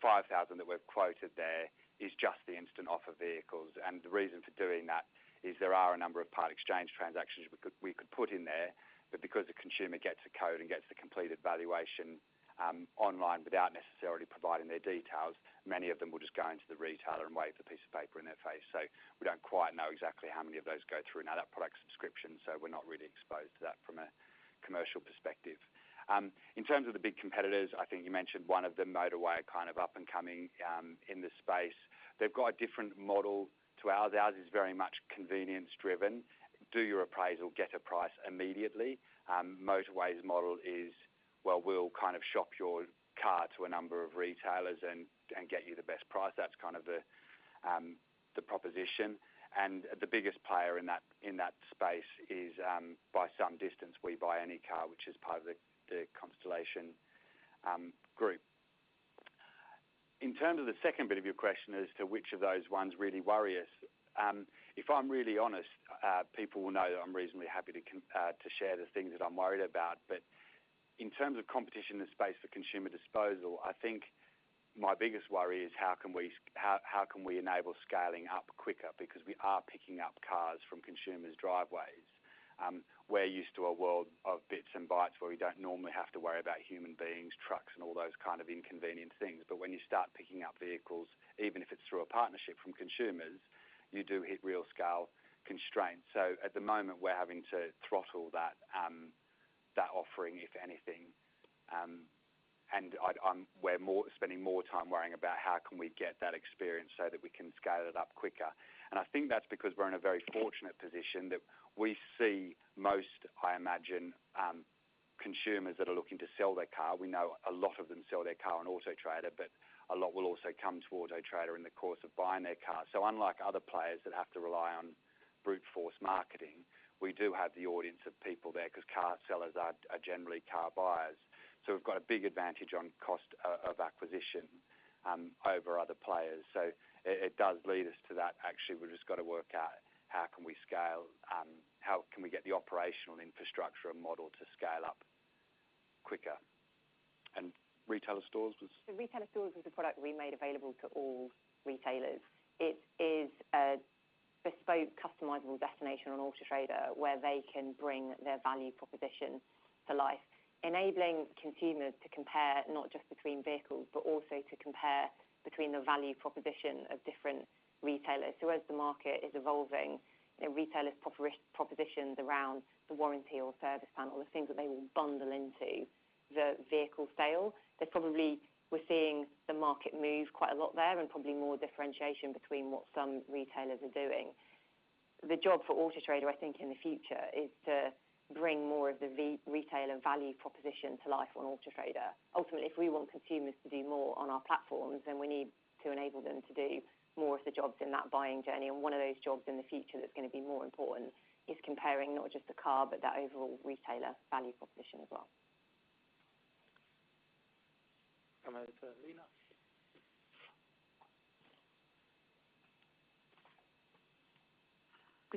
5,000 that we've quoted there is just the Instant Offer vehicles. The reason for doing that is there are a number of part exchange transactions we could put in there, but because the consumer gets a code and gets the completed valuation online without necessarily providing their details, many of them will just go into the retailer and wave the piece of paper in their face. We don't quite know exactly how many of those go through. Now, that product's subscription, so we're not really exposed to that from a commercial perspective. In terms of the big competitors, I think you mentioned one of them, Motorway, kind of up and coming, in this space. They've got a different model to ours. Ours is very much convenience driven. Do your appraisal, get a price immediately. Motorway's model is, well, we'll kind of shop your car to a number of retailers and get you the best price. That's kind of the proposition. The biggest player in that space is, by some distance We Buy Any Car, which is part of the Constellation group. In terms of the second bit of your question as to which of those ones really worry us, if I'm really honest, people will know that I'm reasonably happy to share the things that I'm worried about. In terms of competition and space for consumer disposal, I think my biggest worry is how can we enable scaling up quicker because we are picking up cars from consumers' driveways. We're used to a world of bits and bytes where we don't normally have to worry about human beings, trucks, and all those kind of inconvenient things. When you start picking up vehicles, even if it's through a partnership from consumers, you do hit real scale constraints. At the moment, we're having to throttle that offering, if anything, and we're spending more time worrying about how can we get that experience so that we can scale it up quicker. I think that's because we're in a very fortunate position that we see most, I imagine, consumers that are looking to sell their car. We know a lot of them sell their car on Auto Trader, but a lot will also come to Auto Trader in the course of buying their car. Unlike other players that have to rely on brute force marketing, we do have the audience of people there 'cause car sellers are generally car buyers. We've got a big advantage on cost of acquisition over other players. It does lead us to that. Actually, we've just got to work out how can we scale, how can we get the operational infrastructure and model to scale up quicker. Retailer Stores was? The Retailer Stores was a product we made available to all retailers. It is a bespoke customizable destination on Auto Trader where they can bring their value proposition to life, enabling consumers to compare not just between vehicles, but also to compare between the value proposition of different retailers. As the market is evolving, you know, retailers' propositions around the warranty or service plan or the things that they will bundle into the vehicle sale, they probably were seeing the market move quite a lot there and probably more differentiation between what some retailers are doing. The job for Auto Trader, I think in the future, is to bring more of the retailer value proposition to life on Auto Trader. Ultimately, if we want consumers to do more on our platforms, then we need to enable them to do more of the jobs in that buying journey, and one of those jobs in the future that's going to be more important is comparing not just the car, but that overall retailer value proposition as well. Come over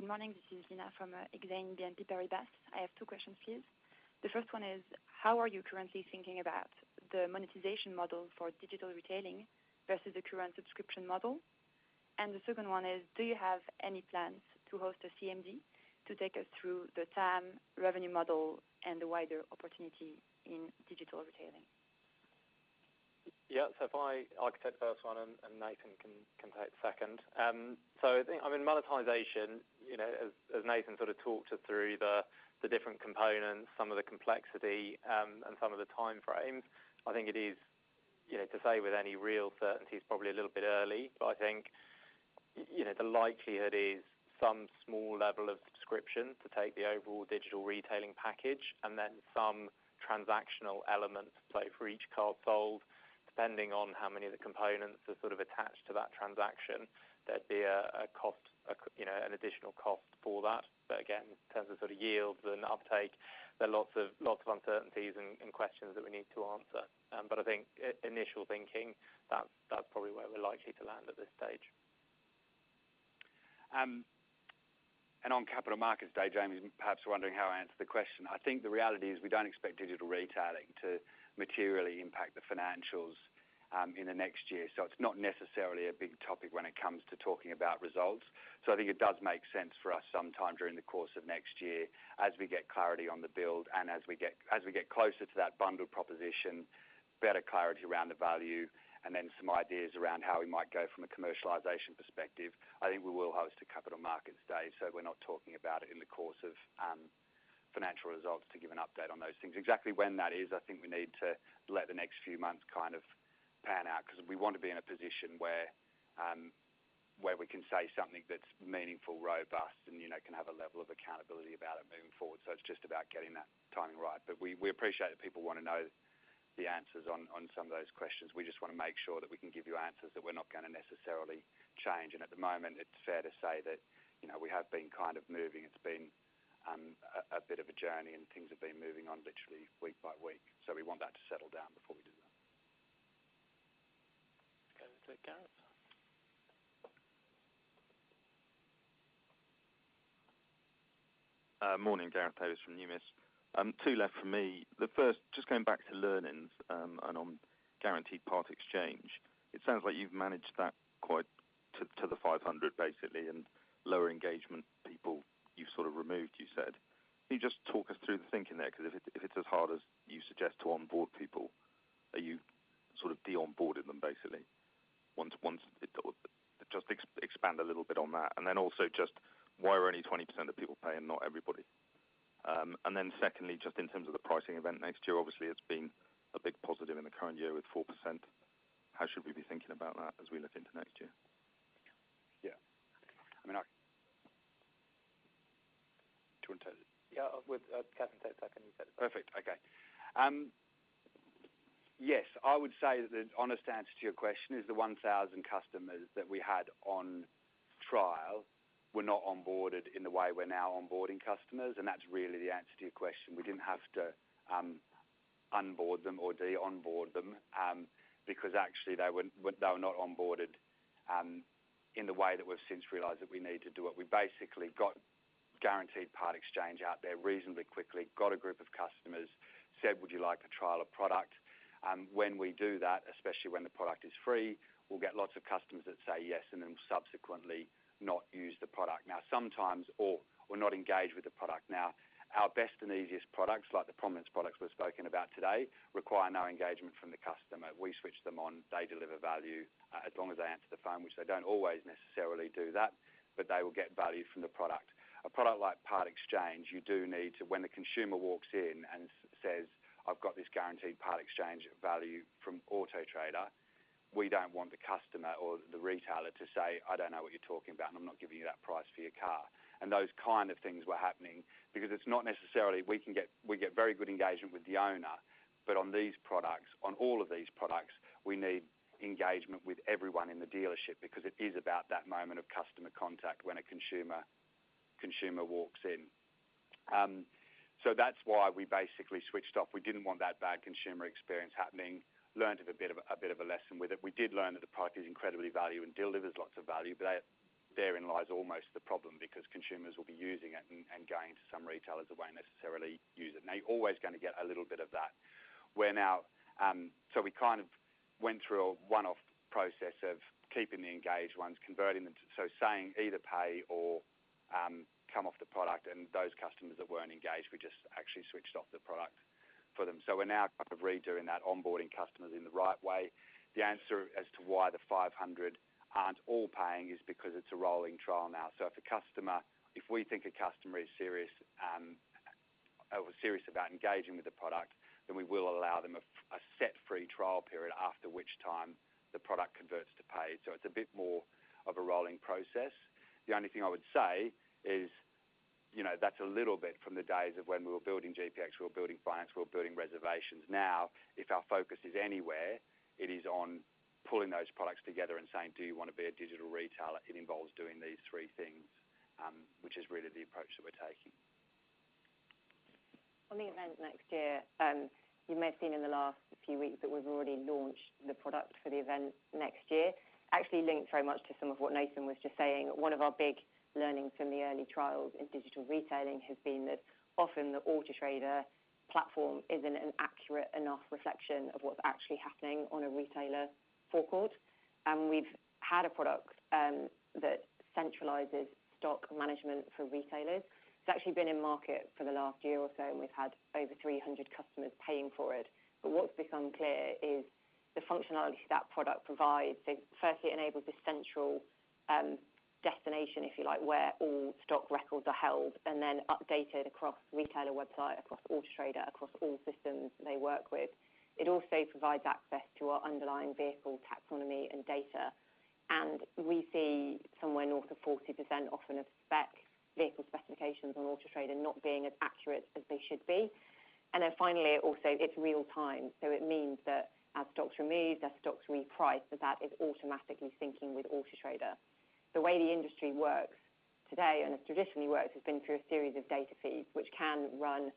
to Lena. Good morning. This is Lena from Exane BNP Paribas. I have two questions, please. The first one is how are you currently thinking about the monetization model for digital retailing versus the current subscription model? The second one is, do you have any plans to host a CMD to take us through the TAM revenue model and the wider opportunity in digital retailing? Yeah. If I could take the first one and Nathan can take second. I think, I mean, monetization, you know, as Nathan sort of talked us through the different components, some of the complexity, and some of the timeframes, I think it is, you know, to say with any real certainty it's probably a little bit early, but I think, you know, the likelihood is some small level of subscription to take the overall digital retailing package and then some transactional elements pay for each car sold, depending on how many of the components are sort of attached to that transaction. There'd be a cost, you know, an additional cost for that. Again, in terms of sort of yields and uptake, there are lots of uncertainties and questions that we need to answer. I think initial thinking, that's probably where we're likely to land at this stage. On Capital Markets Day, Jamie's perhaps wondering how I answer the question. I think the reality is we don't expect digital retailing to materially impact the financials in the next year. It's not necessarily a big topic when it comes to talking about results. I think it does make sense for us sometime during the course of next year as we get clarity on the build and as we get closer to that bundled proposition, better clarity around the value, and then some ideas around how we might go from a commercialization perspective. I think we will host a Capital Markets Day, so we're not talking about it in the course of financial results to give an update on those things. Exactly when that is, I think we need to let the next few months kind of pan out because we want to be in a position where we can say something that's meaningful, robust and, you know, can have a level of accountability about it moving forward. It's just about getting that timing right. We appreciate that people wanna know the answers on some of those questions. We just wanna make sure that we can give you answers that we're not gonna necessarily change. At the moment, it's fair to say that, you know, we have been kind of moving. It's been a bit of a journey and things have been moving on literally week by week. We want that to settle down before we do that. Okay. Let's hear Gareth. Morning. Gareth Davies from Numis. Two left for me. The first, just going back to learnings, and on Guaranteed Part-Exchange, it sounds like you've managed that quite to the 500 basically, and lower engagement people you've sort of removed, you said. Can you just talk us through the thinking there? Because if it's as hard as you suggest to onboard people, are you sort of de-onboarding them basically once it... Just expand a little bit on that. And then also just why are only 20% of people paying, not everybody? And then secondly, just in terms of the pricing event next year, obviously it's been a big positive in the current year with 4%. How should we be thinking about that as we look into next year? Yeah. I mean, do you want to take it? Yeah. Would Catherine take that? Can you take it? Perfect. Okay. Yes. I would say that the honest answer to your question is the 1,000 customers that we had on trial were not onboarded in the way we're now onboarding customers, and that's really the answer to your question. We didn't have to offboard them, because actually they were not onboarded in the way that we've since realized that we need to do it. We basically got Guaranteed Part-Exchange out there reasonably quickly, got a group of customers, said, "Would you like to trial a product?" When we do that, especially when the product is free, we'll get lots of customers that say yes and then subsequently not use the product. Now, sometimes or will not engage with the product. Now, our best and easiest products, like the prominence products we've spoken about today, require no engagement from the customer. We switch them on, they deliver value, as long as they answer the phone, which they don't always necessarily do that, but they will get value from the product. A product like Part-Exchange, you do need to, when the consumer walks in and says, "I've got this Guaranteed Part-Exchange value from Auto Trader," we don't want the customer or the retailer to say, "I don't know what you're talking about, and I'm not giving you that price for your car." Those kind of things were happening because it's not necessarily we get very good engagement with the owner. On these products, on all of these products, we need engagement with everyone in the dealership because it is about that moment of customer contact when a consumer walks in. That's why we basically switched off. We didn't want that bad consumer experience happening. Learned a bit of a lesson with it. We did learn that the product is incredibly valuable and delivers lots of value, but that therein lies almost the problem because consumers will be using it and going to some retailers that won't necessarily use it. Now, you're always gonna get a little bit of that. We're now going through a one-off process of keeping the engaged ones, converting them to saying either pay or come off the product. Those customers that weren't engaged, we just actually switched off the product for them. We're now kind of redoing that onboarding customers in the right way. The answer as to why the 500 aren't all paying is because it's a rolling trial now. If we think a customer is serious about engaging with the product, then we will allow them a set free trial period after which time the product converts to pay. It's a bit more of a rolling process. The only thing I would say is, you know, that's a little bit from the days of when we were building GPX, we were building finance, we were building reservations. Now, if our focus is anywhere, it is on pulling those products together and saying, "Do you wanna be a digital retailer? It involves doing these three things, which is really the approach that we're taking. On the event next year, you may have seen in the last few weeks that we've already launched the product for the event next year. Actually linked very much to some of what Nathan was just saying. One of our big learnings from the early trials in digital retailing has been that often the Auto Trader platform isn't an accurate enough reflection of what's actually happening on a retailer forecourt. We've had a product that centralizes stock management for retailers. It's actually been in market for the last year or so, and we've had over 300 customers paying for it. What's become clear is the functionality that product provides. Firstly, it enables the central destination, if you like, where all stock records are held and then updated across retailer website, across Auto Trader, across all systems they work with. It also provides access to our underlying vehicle taxonomy and data. We see somewhere north of 40% often of spec-vehicle specifications on Auto Trader not being as accurate as they should be. Finally, also, it's real time, so it means that as stocks remove, as stocks reprice, that is automatically syncing with Auto Trader. The way the industry works today, and it's traditionally worked, has been through a series of data feeds, which can run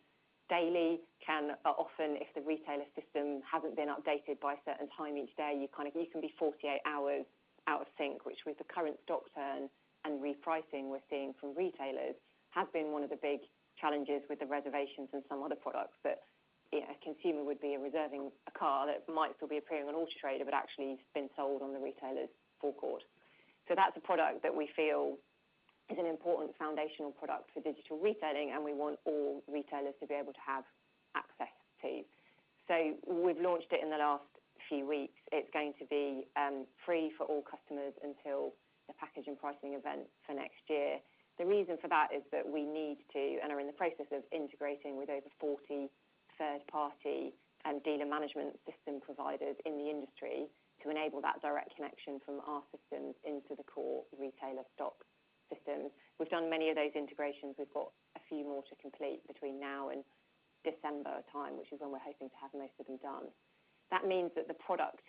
daily, can often, if the retailer system hasn't been updated by a certain time each day, you can be 48 hours out of sync, which with the current stock turn and repricing we're seeing from retailers, have been one of the big challenges with the reservations and some other products that, you know, a consumer would be reserving a car that might still be appearing on Auto Trader, but actually it's been sold on the retailer's forecourt. That's a product that we feel is an important foundational product for digital retailing, and we want all retailers to be able to have access to. We've launched it in the last few weeks. It's going to be free for all customers until the package and pricing event for next year. The reason for that is that we need to, and are in the process of integrating with over 40 third-party and dealer management system providers in the industry to enable that direct connection from our systems into the core retailer stock systems. We've done many of those integrations. We've got a few more to complete between now and December time, which is when we're hoping to have most of them done. That means that the product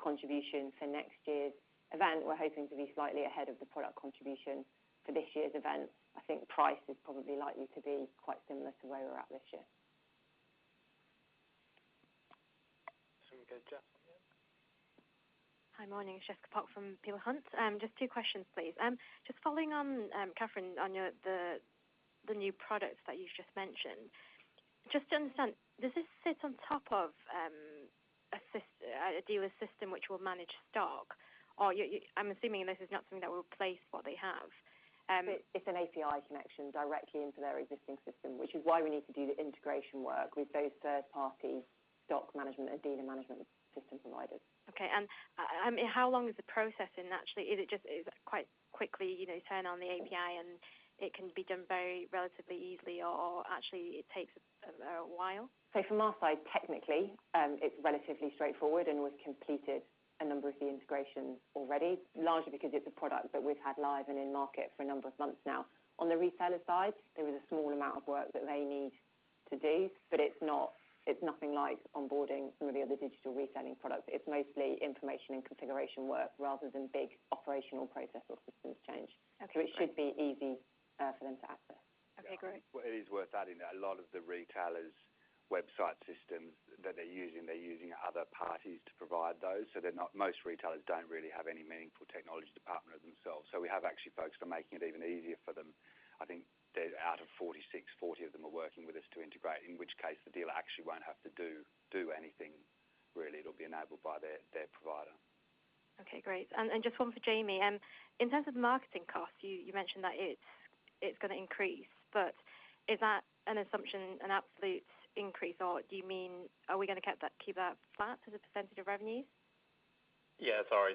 contribution for next year's event, we're hoping to be slightly ahead of the product contribution for this year's event. I think price is probably likely to be quite similar to where we're at this year. Should we go Jessica next? Hi, morning. It's Jessica Pok from Peel Hunt. Just two questions, please. Just following on, Catherine, on the new products that you just mentioned. Just to understand, does this sit on top of a dealer system which will manage stock? Or you, I'm assuming this is not something that will replace what they have. It's an API connection directly into their existing system, which is why we need to do the integration work with those third-party stock management and dealer management system providers. I mean, how long is the processing actually? Is it quite quickly, you know, turn on the API and it can be done very relatively easily or actually it takes a while? From our side, technically, it's relatively straightforward and we've completed a number of the integrations already, largely because it's a product that we've had live and in market for a number of months now. On the retailer side, there is a small amount of work that they need to do, but it's nothing like onboarding some of the other digital retailing products. It's mostly information and configuration work rather than big operational process or systems change. Okay, great. It should be easy for them to access. Okay, great. Well, it is worth adding that a lot of the retailers' website systems that they're using, they're using other parties to provide those. Most retailers don't really have any meaningful technology department themselves. We have actually focused on making it even easier for them. I think out of 46, 40 of them are working with us to integrate, in which case the dealer actually won't have to do anything really. It'll be enabled by their provider. Okay, great. Just one for Jamie. In terms of marketing costs, you mentioned that it's gonna increase, but is that an assumption, an absolute increase, or do you mean are we gonna keep that flat as a percentage of revenue? Yeah, sorry.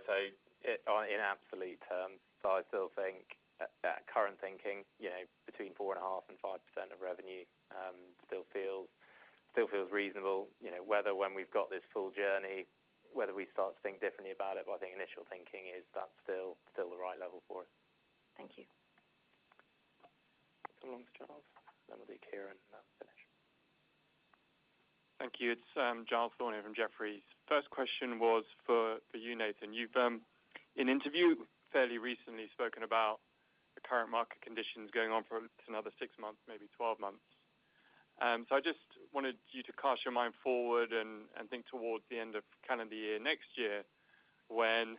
In absolute terms, I still think that current thinking, you know, between 4.5% and 5% of revenue still feels reasonable. You know, whether when we've got this full journey, whether we start to think differently about it, but I think initial thinking is that's still the right level for us. Thank you. So long to Giles, then we'll do Kieran, and that'll finish. Thank you. It's Giles Thorne from Jefferies. First question was for you, Nathan. You've in interview fairly recently spoken about the current market conditions going on for at least another six months, maybe 12 months. I just wanted you to cast your mind forward and think towards the end of kind of the year next year when,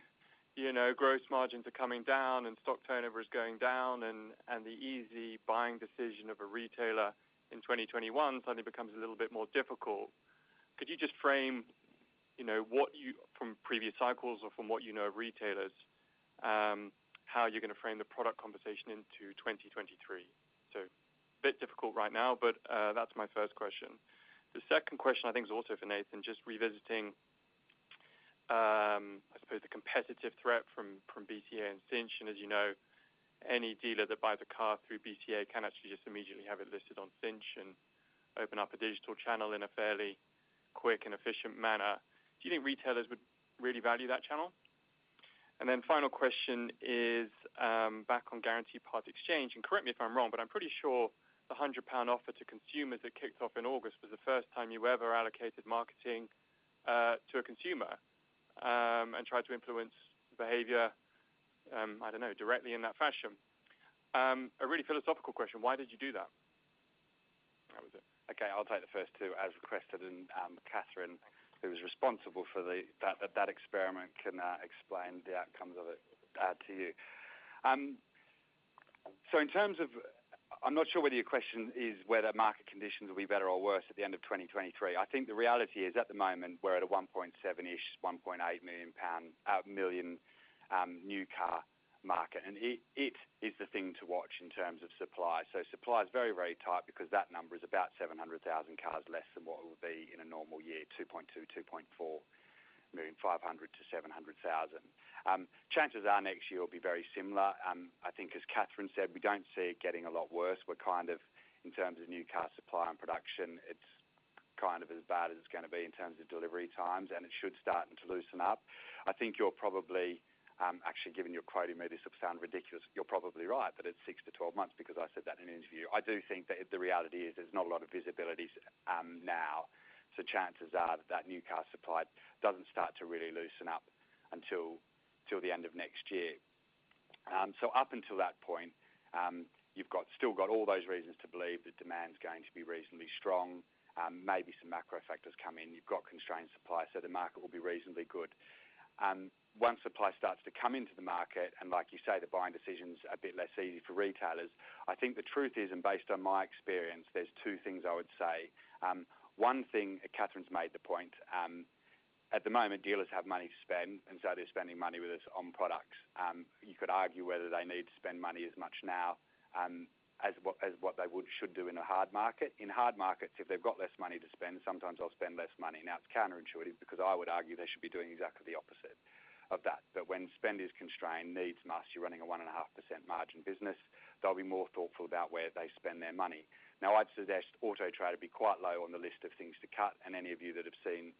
you know, gross margins are coming down and stock turnover is going down and the easy buying decision of a retailer in 2021 suddenly becomes a little bit more difficult. Could you just frame, you know, what from previous cycles or from what you know of retailers, how you're gonna frame the product conversation into 2023? A bit difficult right now, but that's my first question. The second question, I think, is also for Nathan, just revisiting, I suppose, the competitive threat from BCA and Cinch. As you know, any dealer that buys a car through BCA can actually just immediately have it listed on Cinch and open up a digital channel in a fairly quick and efficient manner. Do you think retailers would really value that channel? Final question is back on Guaranteed Part-Exchange. Correct me if I'm wrong, but I'm pretty sure the 100 pound offer to consumers that kicked off in August was the first time you ever allocated marketing to a consumer and tried to influence behavior. I don't know, directly in that fashion. A really philosophical question, why did you do that? That was it. Okay, I'll take the first two as requested, and Catherine, who was responsible for that experiment can explain the outcomes of it to you. I'm not sure whether your question is whether market conditions will be better or worse at the end of 2023. I think the reality is, at the moment, we're at a 1.7-ish million-1.8 million new car market. It is the thing to watch in terms of supply. Supply is very, very tight because that number is about 700,000 cars less than what it would be in a normal year, 2.2 million-2.4 million, 500,000-700,000. Chances are next year will be very similar. I think as Catherine said, we don't see it getting a lot worse. We're kind of, in terms of new car supply and production, it's kind of as bad as it's gonna be in terms of delivery times, and it should start to loosen up. I think you're probably right, actually. Giving you a quote, it may sort of sound ridiculous. You're probably right that it's six to 12 months because I said that in an interview. I do think that the reality is there's not a lot of visibility now, so chances are that new car supply doesn't start to really loosen up till the end of next year. Up until that point, you've still got all those reasons to believe that demand's going to be reasonably strong. Maybe some macro factors come in. You've got constrained supply, so the market will be reasonably good. Once supply starts to come into the market, and like you say, the buying decision's a bit less easy for retailers. I think the truth is, and based on my experience, there's two things I would say. One thing, and Catherine's made the point, at the moment, dealers have money to spend, and so they're spending money with us on products. You could argue whether they need to spend money as much now as what they should do in a hard market. In hard markets, if they've got less money to spend, sometimes they'll spend less money. Now, it's counterintuitive because I would argue they should be doing exactly the opposite of that. When spend is constrained, needs must, you're running a 1.5% margin business. They'll be more thoughtful about where they spend their money. Now, I'd suggest Auto Trader be quite low on the list of things to cut, and any of you that have seen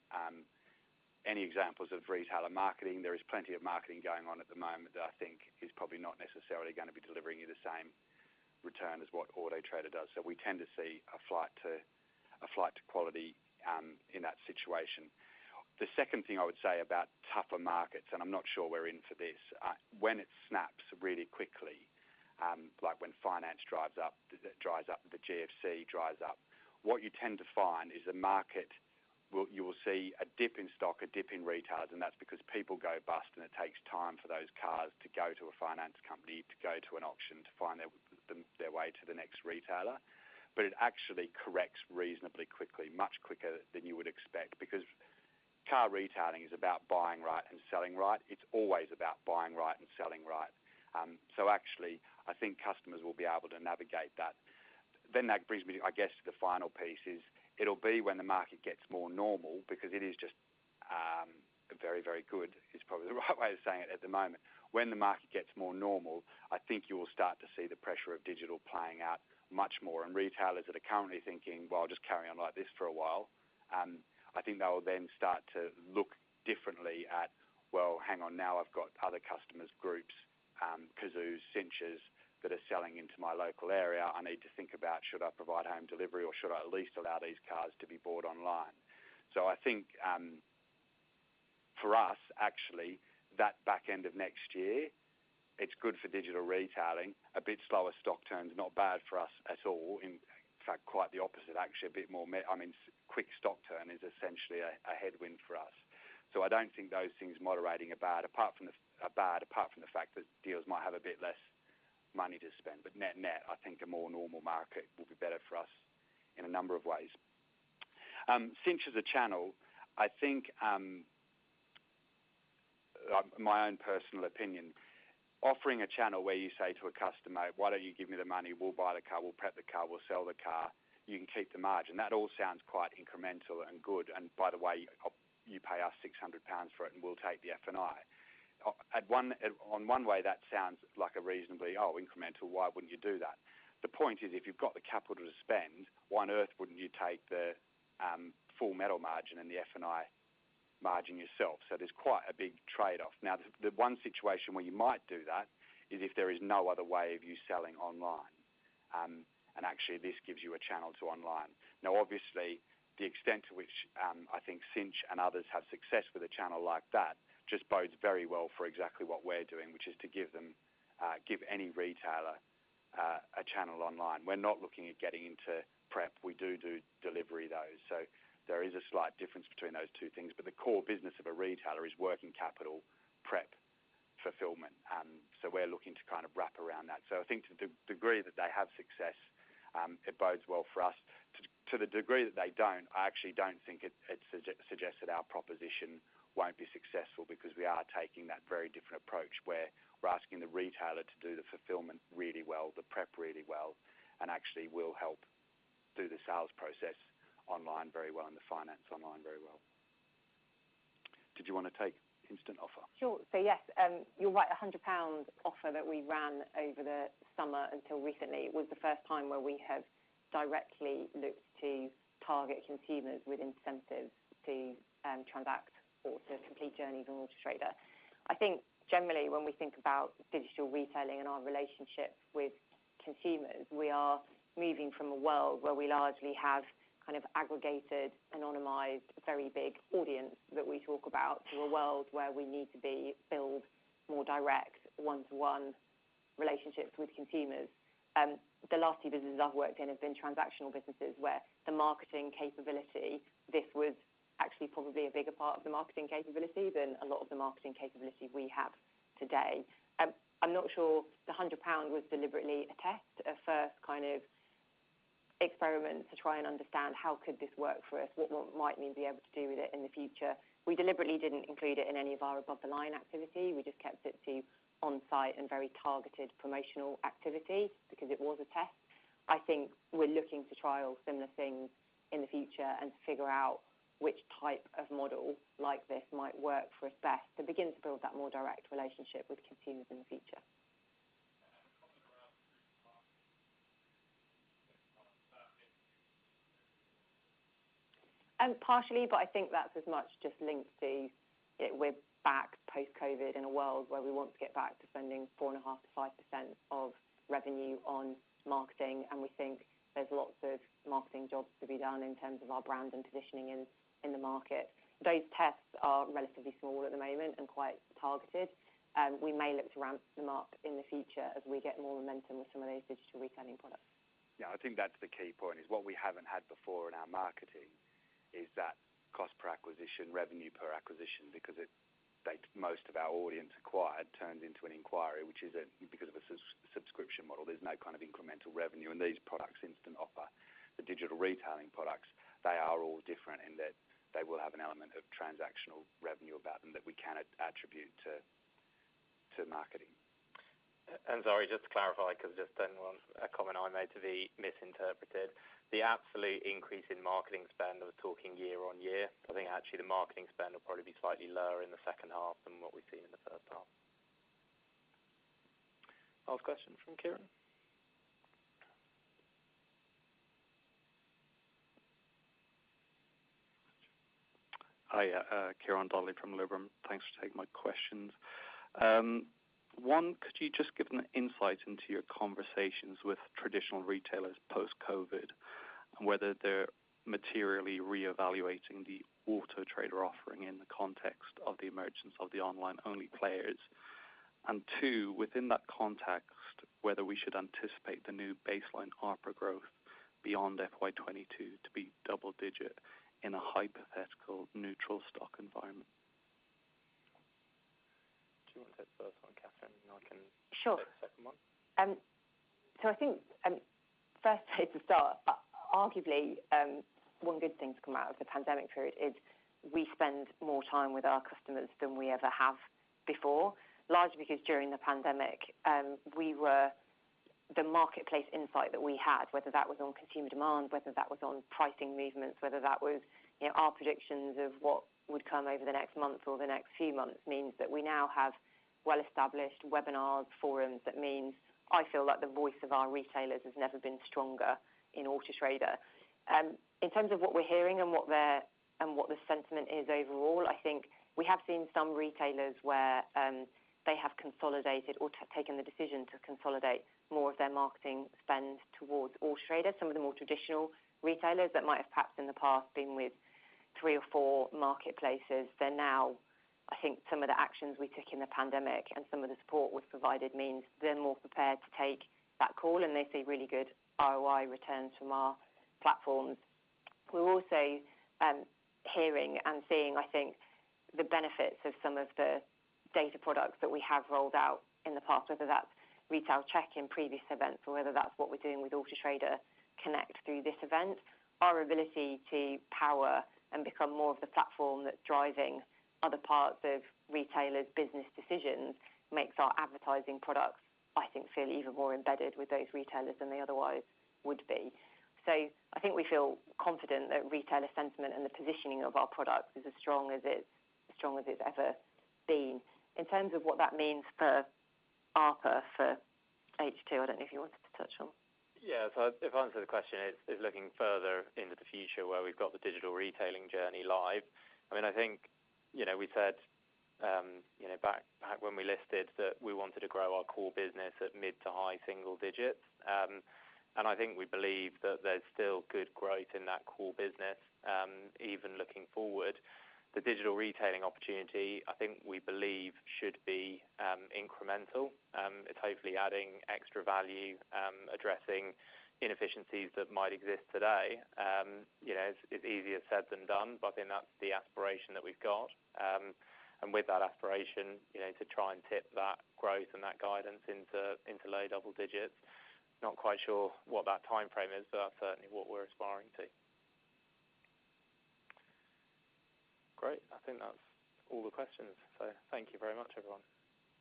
any examples of retailer marketing, there is plenty of marketing going on at the moment that I think is probably not necessarily gonna be delivering you the same return as what Auto Trader does. We tend to see a flight to quality in that situation. The second thing I would say about tougher markets, and I'm not sure we're in for this, when it snaps really quickly, like when finance dries up, the GFC dries up, what you tend to find is a market, where you will see a dip in stock, a dip in retailers, and that's because people go bust, and it takes time for those cars to go to a finance company, to go to an auction to find their way to the next retailer. It actually corrects reasonably quickly, much quicker than you would expect, because car retailing is about buying right and selling right. It's always about buying right and selling right. So actually, I think customers will be able to navigate that. That brings me, I guess, to the final piece. It'll be when the market gets more normal because it is just very, very good, is probably the right way of saying it at the moment. When the market gets more normal, I think you will start to see the pressure of digital playing out much more. Retailers that are currently thinking, "Well, I'll just carry on like this for a while," I think they will then start to look differently at, "Well, hang on. Now I've got other customer groups, Cazoo, Cinchs that are selling into my local area. I need to think about should I provide home delivery or should I at least allow these cars to be bought online." I think, for us, actually, that back end of next year, it's good for digital retailing. A bit slower stock turn's not bad for us at all. In fact, quite the opposite, actually. A bit more I mean, quick stock turn is essentially a headwind for us. I don't think those things moderating are bad apart from the fact that dealers might have a bit less money to spend. Net-net, I think a more normal market will be better for us in a number of ways. Cinch as a channel, I think, my own personal opinion, offering a channel where you say to a customer, "Why don't you give me the money? We'll buy the car, we'll prep the car, we'll sell the car. You can keep the margin." That all sounds quite incremental and good. By the way, you pay us 600 pounds for it and we'll take the F&I. On the one hand, that sounds like a reasonably incremental, why wouldn't you do that? The point is, if you've got the capital to spend, why on earth wouldn't you take the full retail margin and the F&I margin yourself? There's quite a big trade-off. The one situation where you might do that is if there is no other way of you selling online. And actually this gives you a channel to online. Obviously, the extent to which I think Cinch and others have success with a channel like that just bodes very well for exactly what we're doing, which is to give them give any retailer a channel online. We're not looking at getting into prep. We do delivery, though. There is a slight difference between those two things. The core business of a retailer is working capital prep fulfillment. We're looking to kind of wrap around that. I think to degree that they have success, it bodes well for us. To the degree that they don't, I actually don't think it suggests that our proposition won't be successful because we are taking that very different approach, where we're asking the retailer to do the fulfillment really well, the prep really well, and actually we'll help do the sales process online very well and the finance online very well. Did you wanna take Instant Offer? Sure. Yes, you're right. A 100 pound offer that we ran over the summer until recently was the first time where we have directly looked to target consumers with incentives to transact or to complete journeys on Auto Trader. I think generally when we think about digital retailing and our relationship with consumers, we are moving from a world where we largely have kind of aggregated, anonymized, very big audience that we talk about, to a world where we need to build more direct one-to-one relationships with consumers. The last two businesses I've worked in have been transactional businesses where the marketing capability, this was actually probably a bigger part of the marketing capability than a lot of the marketing capability we have today. I'm not sure the 100 pound was deliberately a test, a first kind of experiment to try and understand how could this work for us, what we might be able to do with it in the future. We deliberately didn't include it in any of our above the line activity. We just kept it to on-site and very targeted promotional activity because it was a test. I think we're looking to trial similar things in the future and figure out which type of model like this might work for us best to begin to build that more direct relationship with consumers in the future. A comment around group marketing. Partially, but I think that's as much just linked to we're back post-COVID in a world where we want to get back to spending 4.5%-5% of revenue on marketing, and we think there's lots of marketing jobs to be done in terms of our brand and positioning in the market. Those tests are relatively small at the moment and quite targeted. We may look to ramp them up in the future as we get more momentum with some of those digital retailing products. Yeah. I think that's the key point is what we haven't had before in our marketing is that cost per acquisition, revenue per acquisition, because most of our audience acquired turns into an inquiry, which is a, because of a sub-subscription model, there's no kind of incremental revenue. These products, Instant Offer, the digital retailing products, they are all different in that they will have an element of transactional revenue about them that we can attribute to marketing. Sorry, just to clarify, because I just don't want a comment I made to be misinterpreted. The absolute increase in marketing spend, I was talking year-on-year. I think actually the marketing spend will probably be slightly lower in the second half than what we've seen in the first half. Last question from Kieran. Hi, Kieran Dudley from Liberum. Thanks for taking my questions. One, could you just give an insight into your conversations with traditional retailers post-COVID, and whether they're materially reevaluating the Auto Trader offering in the context of the emergence of the online-only players? Two, within that context, whether we should anticipate the new baseline ARPA growth beyond FY 2022 to be double-digit in a hypothetical neutral stock environment. Do you want to take the first one, Catherine, and I can? Sure Take the second one. I think first place to start, arguably, one good thing to come out of the pandemic period is we spend more time with our customers than we ever have before, largely because during the pandemic, the marketplace insight that we had, whether that was on consumer demand, whether that was on pricing movements, whether that was, you know, our predictions of what would come over the next month or the next few months, means that we now have well-established webinars, forums. That means I feel like the voice of our retailers has never been stronger in Auto Trader. In terms of what we're hearing and what the sentiment is overall, I think we have seen some retailers where they have consolidated or taken the decision to consolidate more of their marketing spend towards Auto Trader. Some of the more traditional retailers that might have perhaps in the past been with three or four marketplaces, they're now, I think some of the actions we took in the pandemic and some of the support was provided means they're more prepared to take that call, and they see really good ROI returns from our platforms. We're also, hearing and seeing, I think, the benefits of some of the data products that we have rolled out in the past, whether that's Retail Check in previous events or whether that's what we're doing with Auto Trader Connect through this event. Our ability to power and become more of the platform that's driving other parts of retailers' business decisions makes our advertising products, I think, feel even more embedded with those retailers than they otherwise would be. I think we feel confident that retailer sentiment and the positioning of our products is as strong as it's ever been. In terms of what that means for ARPA for H2, I don't know if you wanted to touch on. Yeah. If the answer to the question is looking further into the future where we've got the digital retailing journey live, I mean, I think, you know, we said, you know, back when we listed that we wanted to grow our core business at mid to high single digits, and I think we believe that there's still good growth in that core business, even looking forward. The digital retailing opportunity, I think we believe should be incremental. It's hopefully adding extra value, addressing inefficiencies that might exist today. You know, it's easier said than done, but I think that's the aspiration that we've got. With that aspiration, you know, to try and tip that growth and that guidance into low double digits. Not quite sure what that timeframe is, but that's certainly what we're aspiring to. Great. I think that's all the questions. Thank you very much, everyone.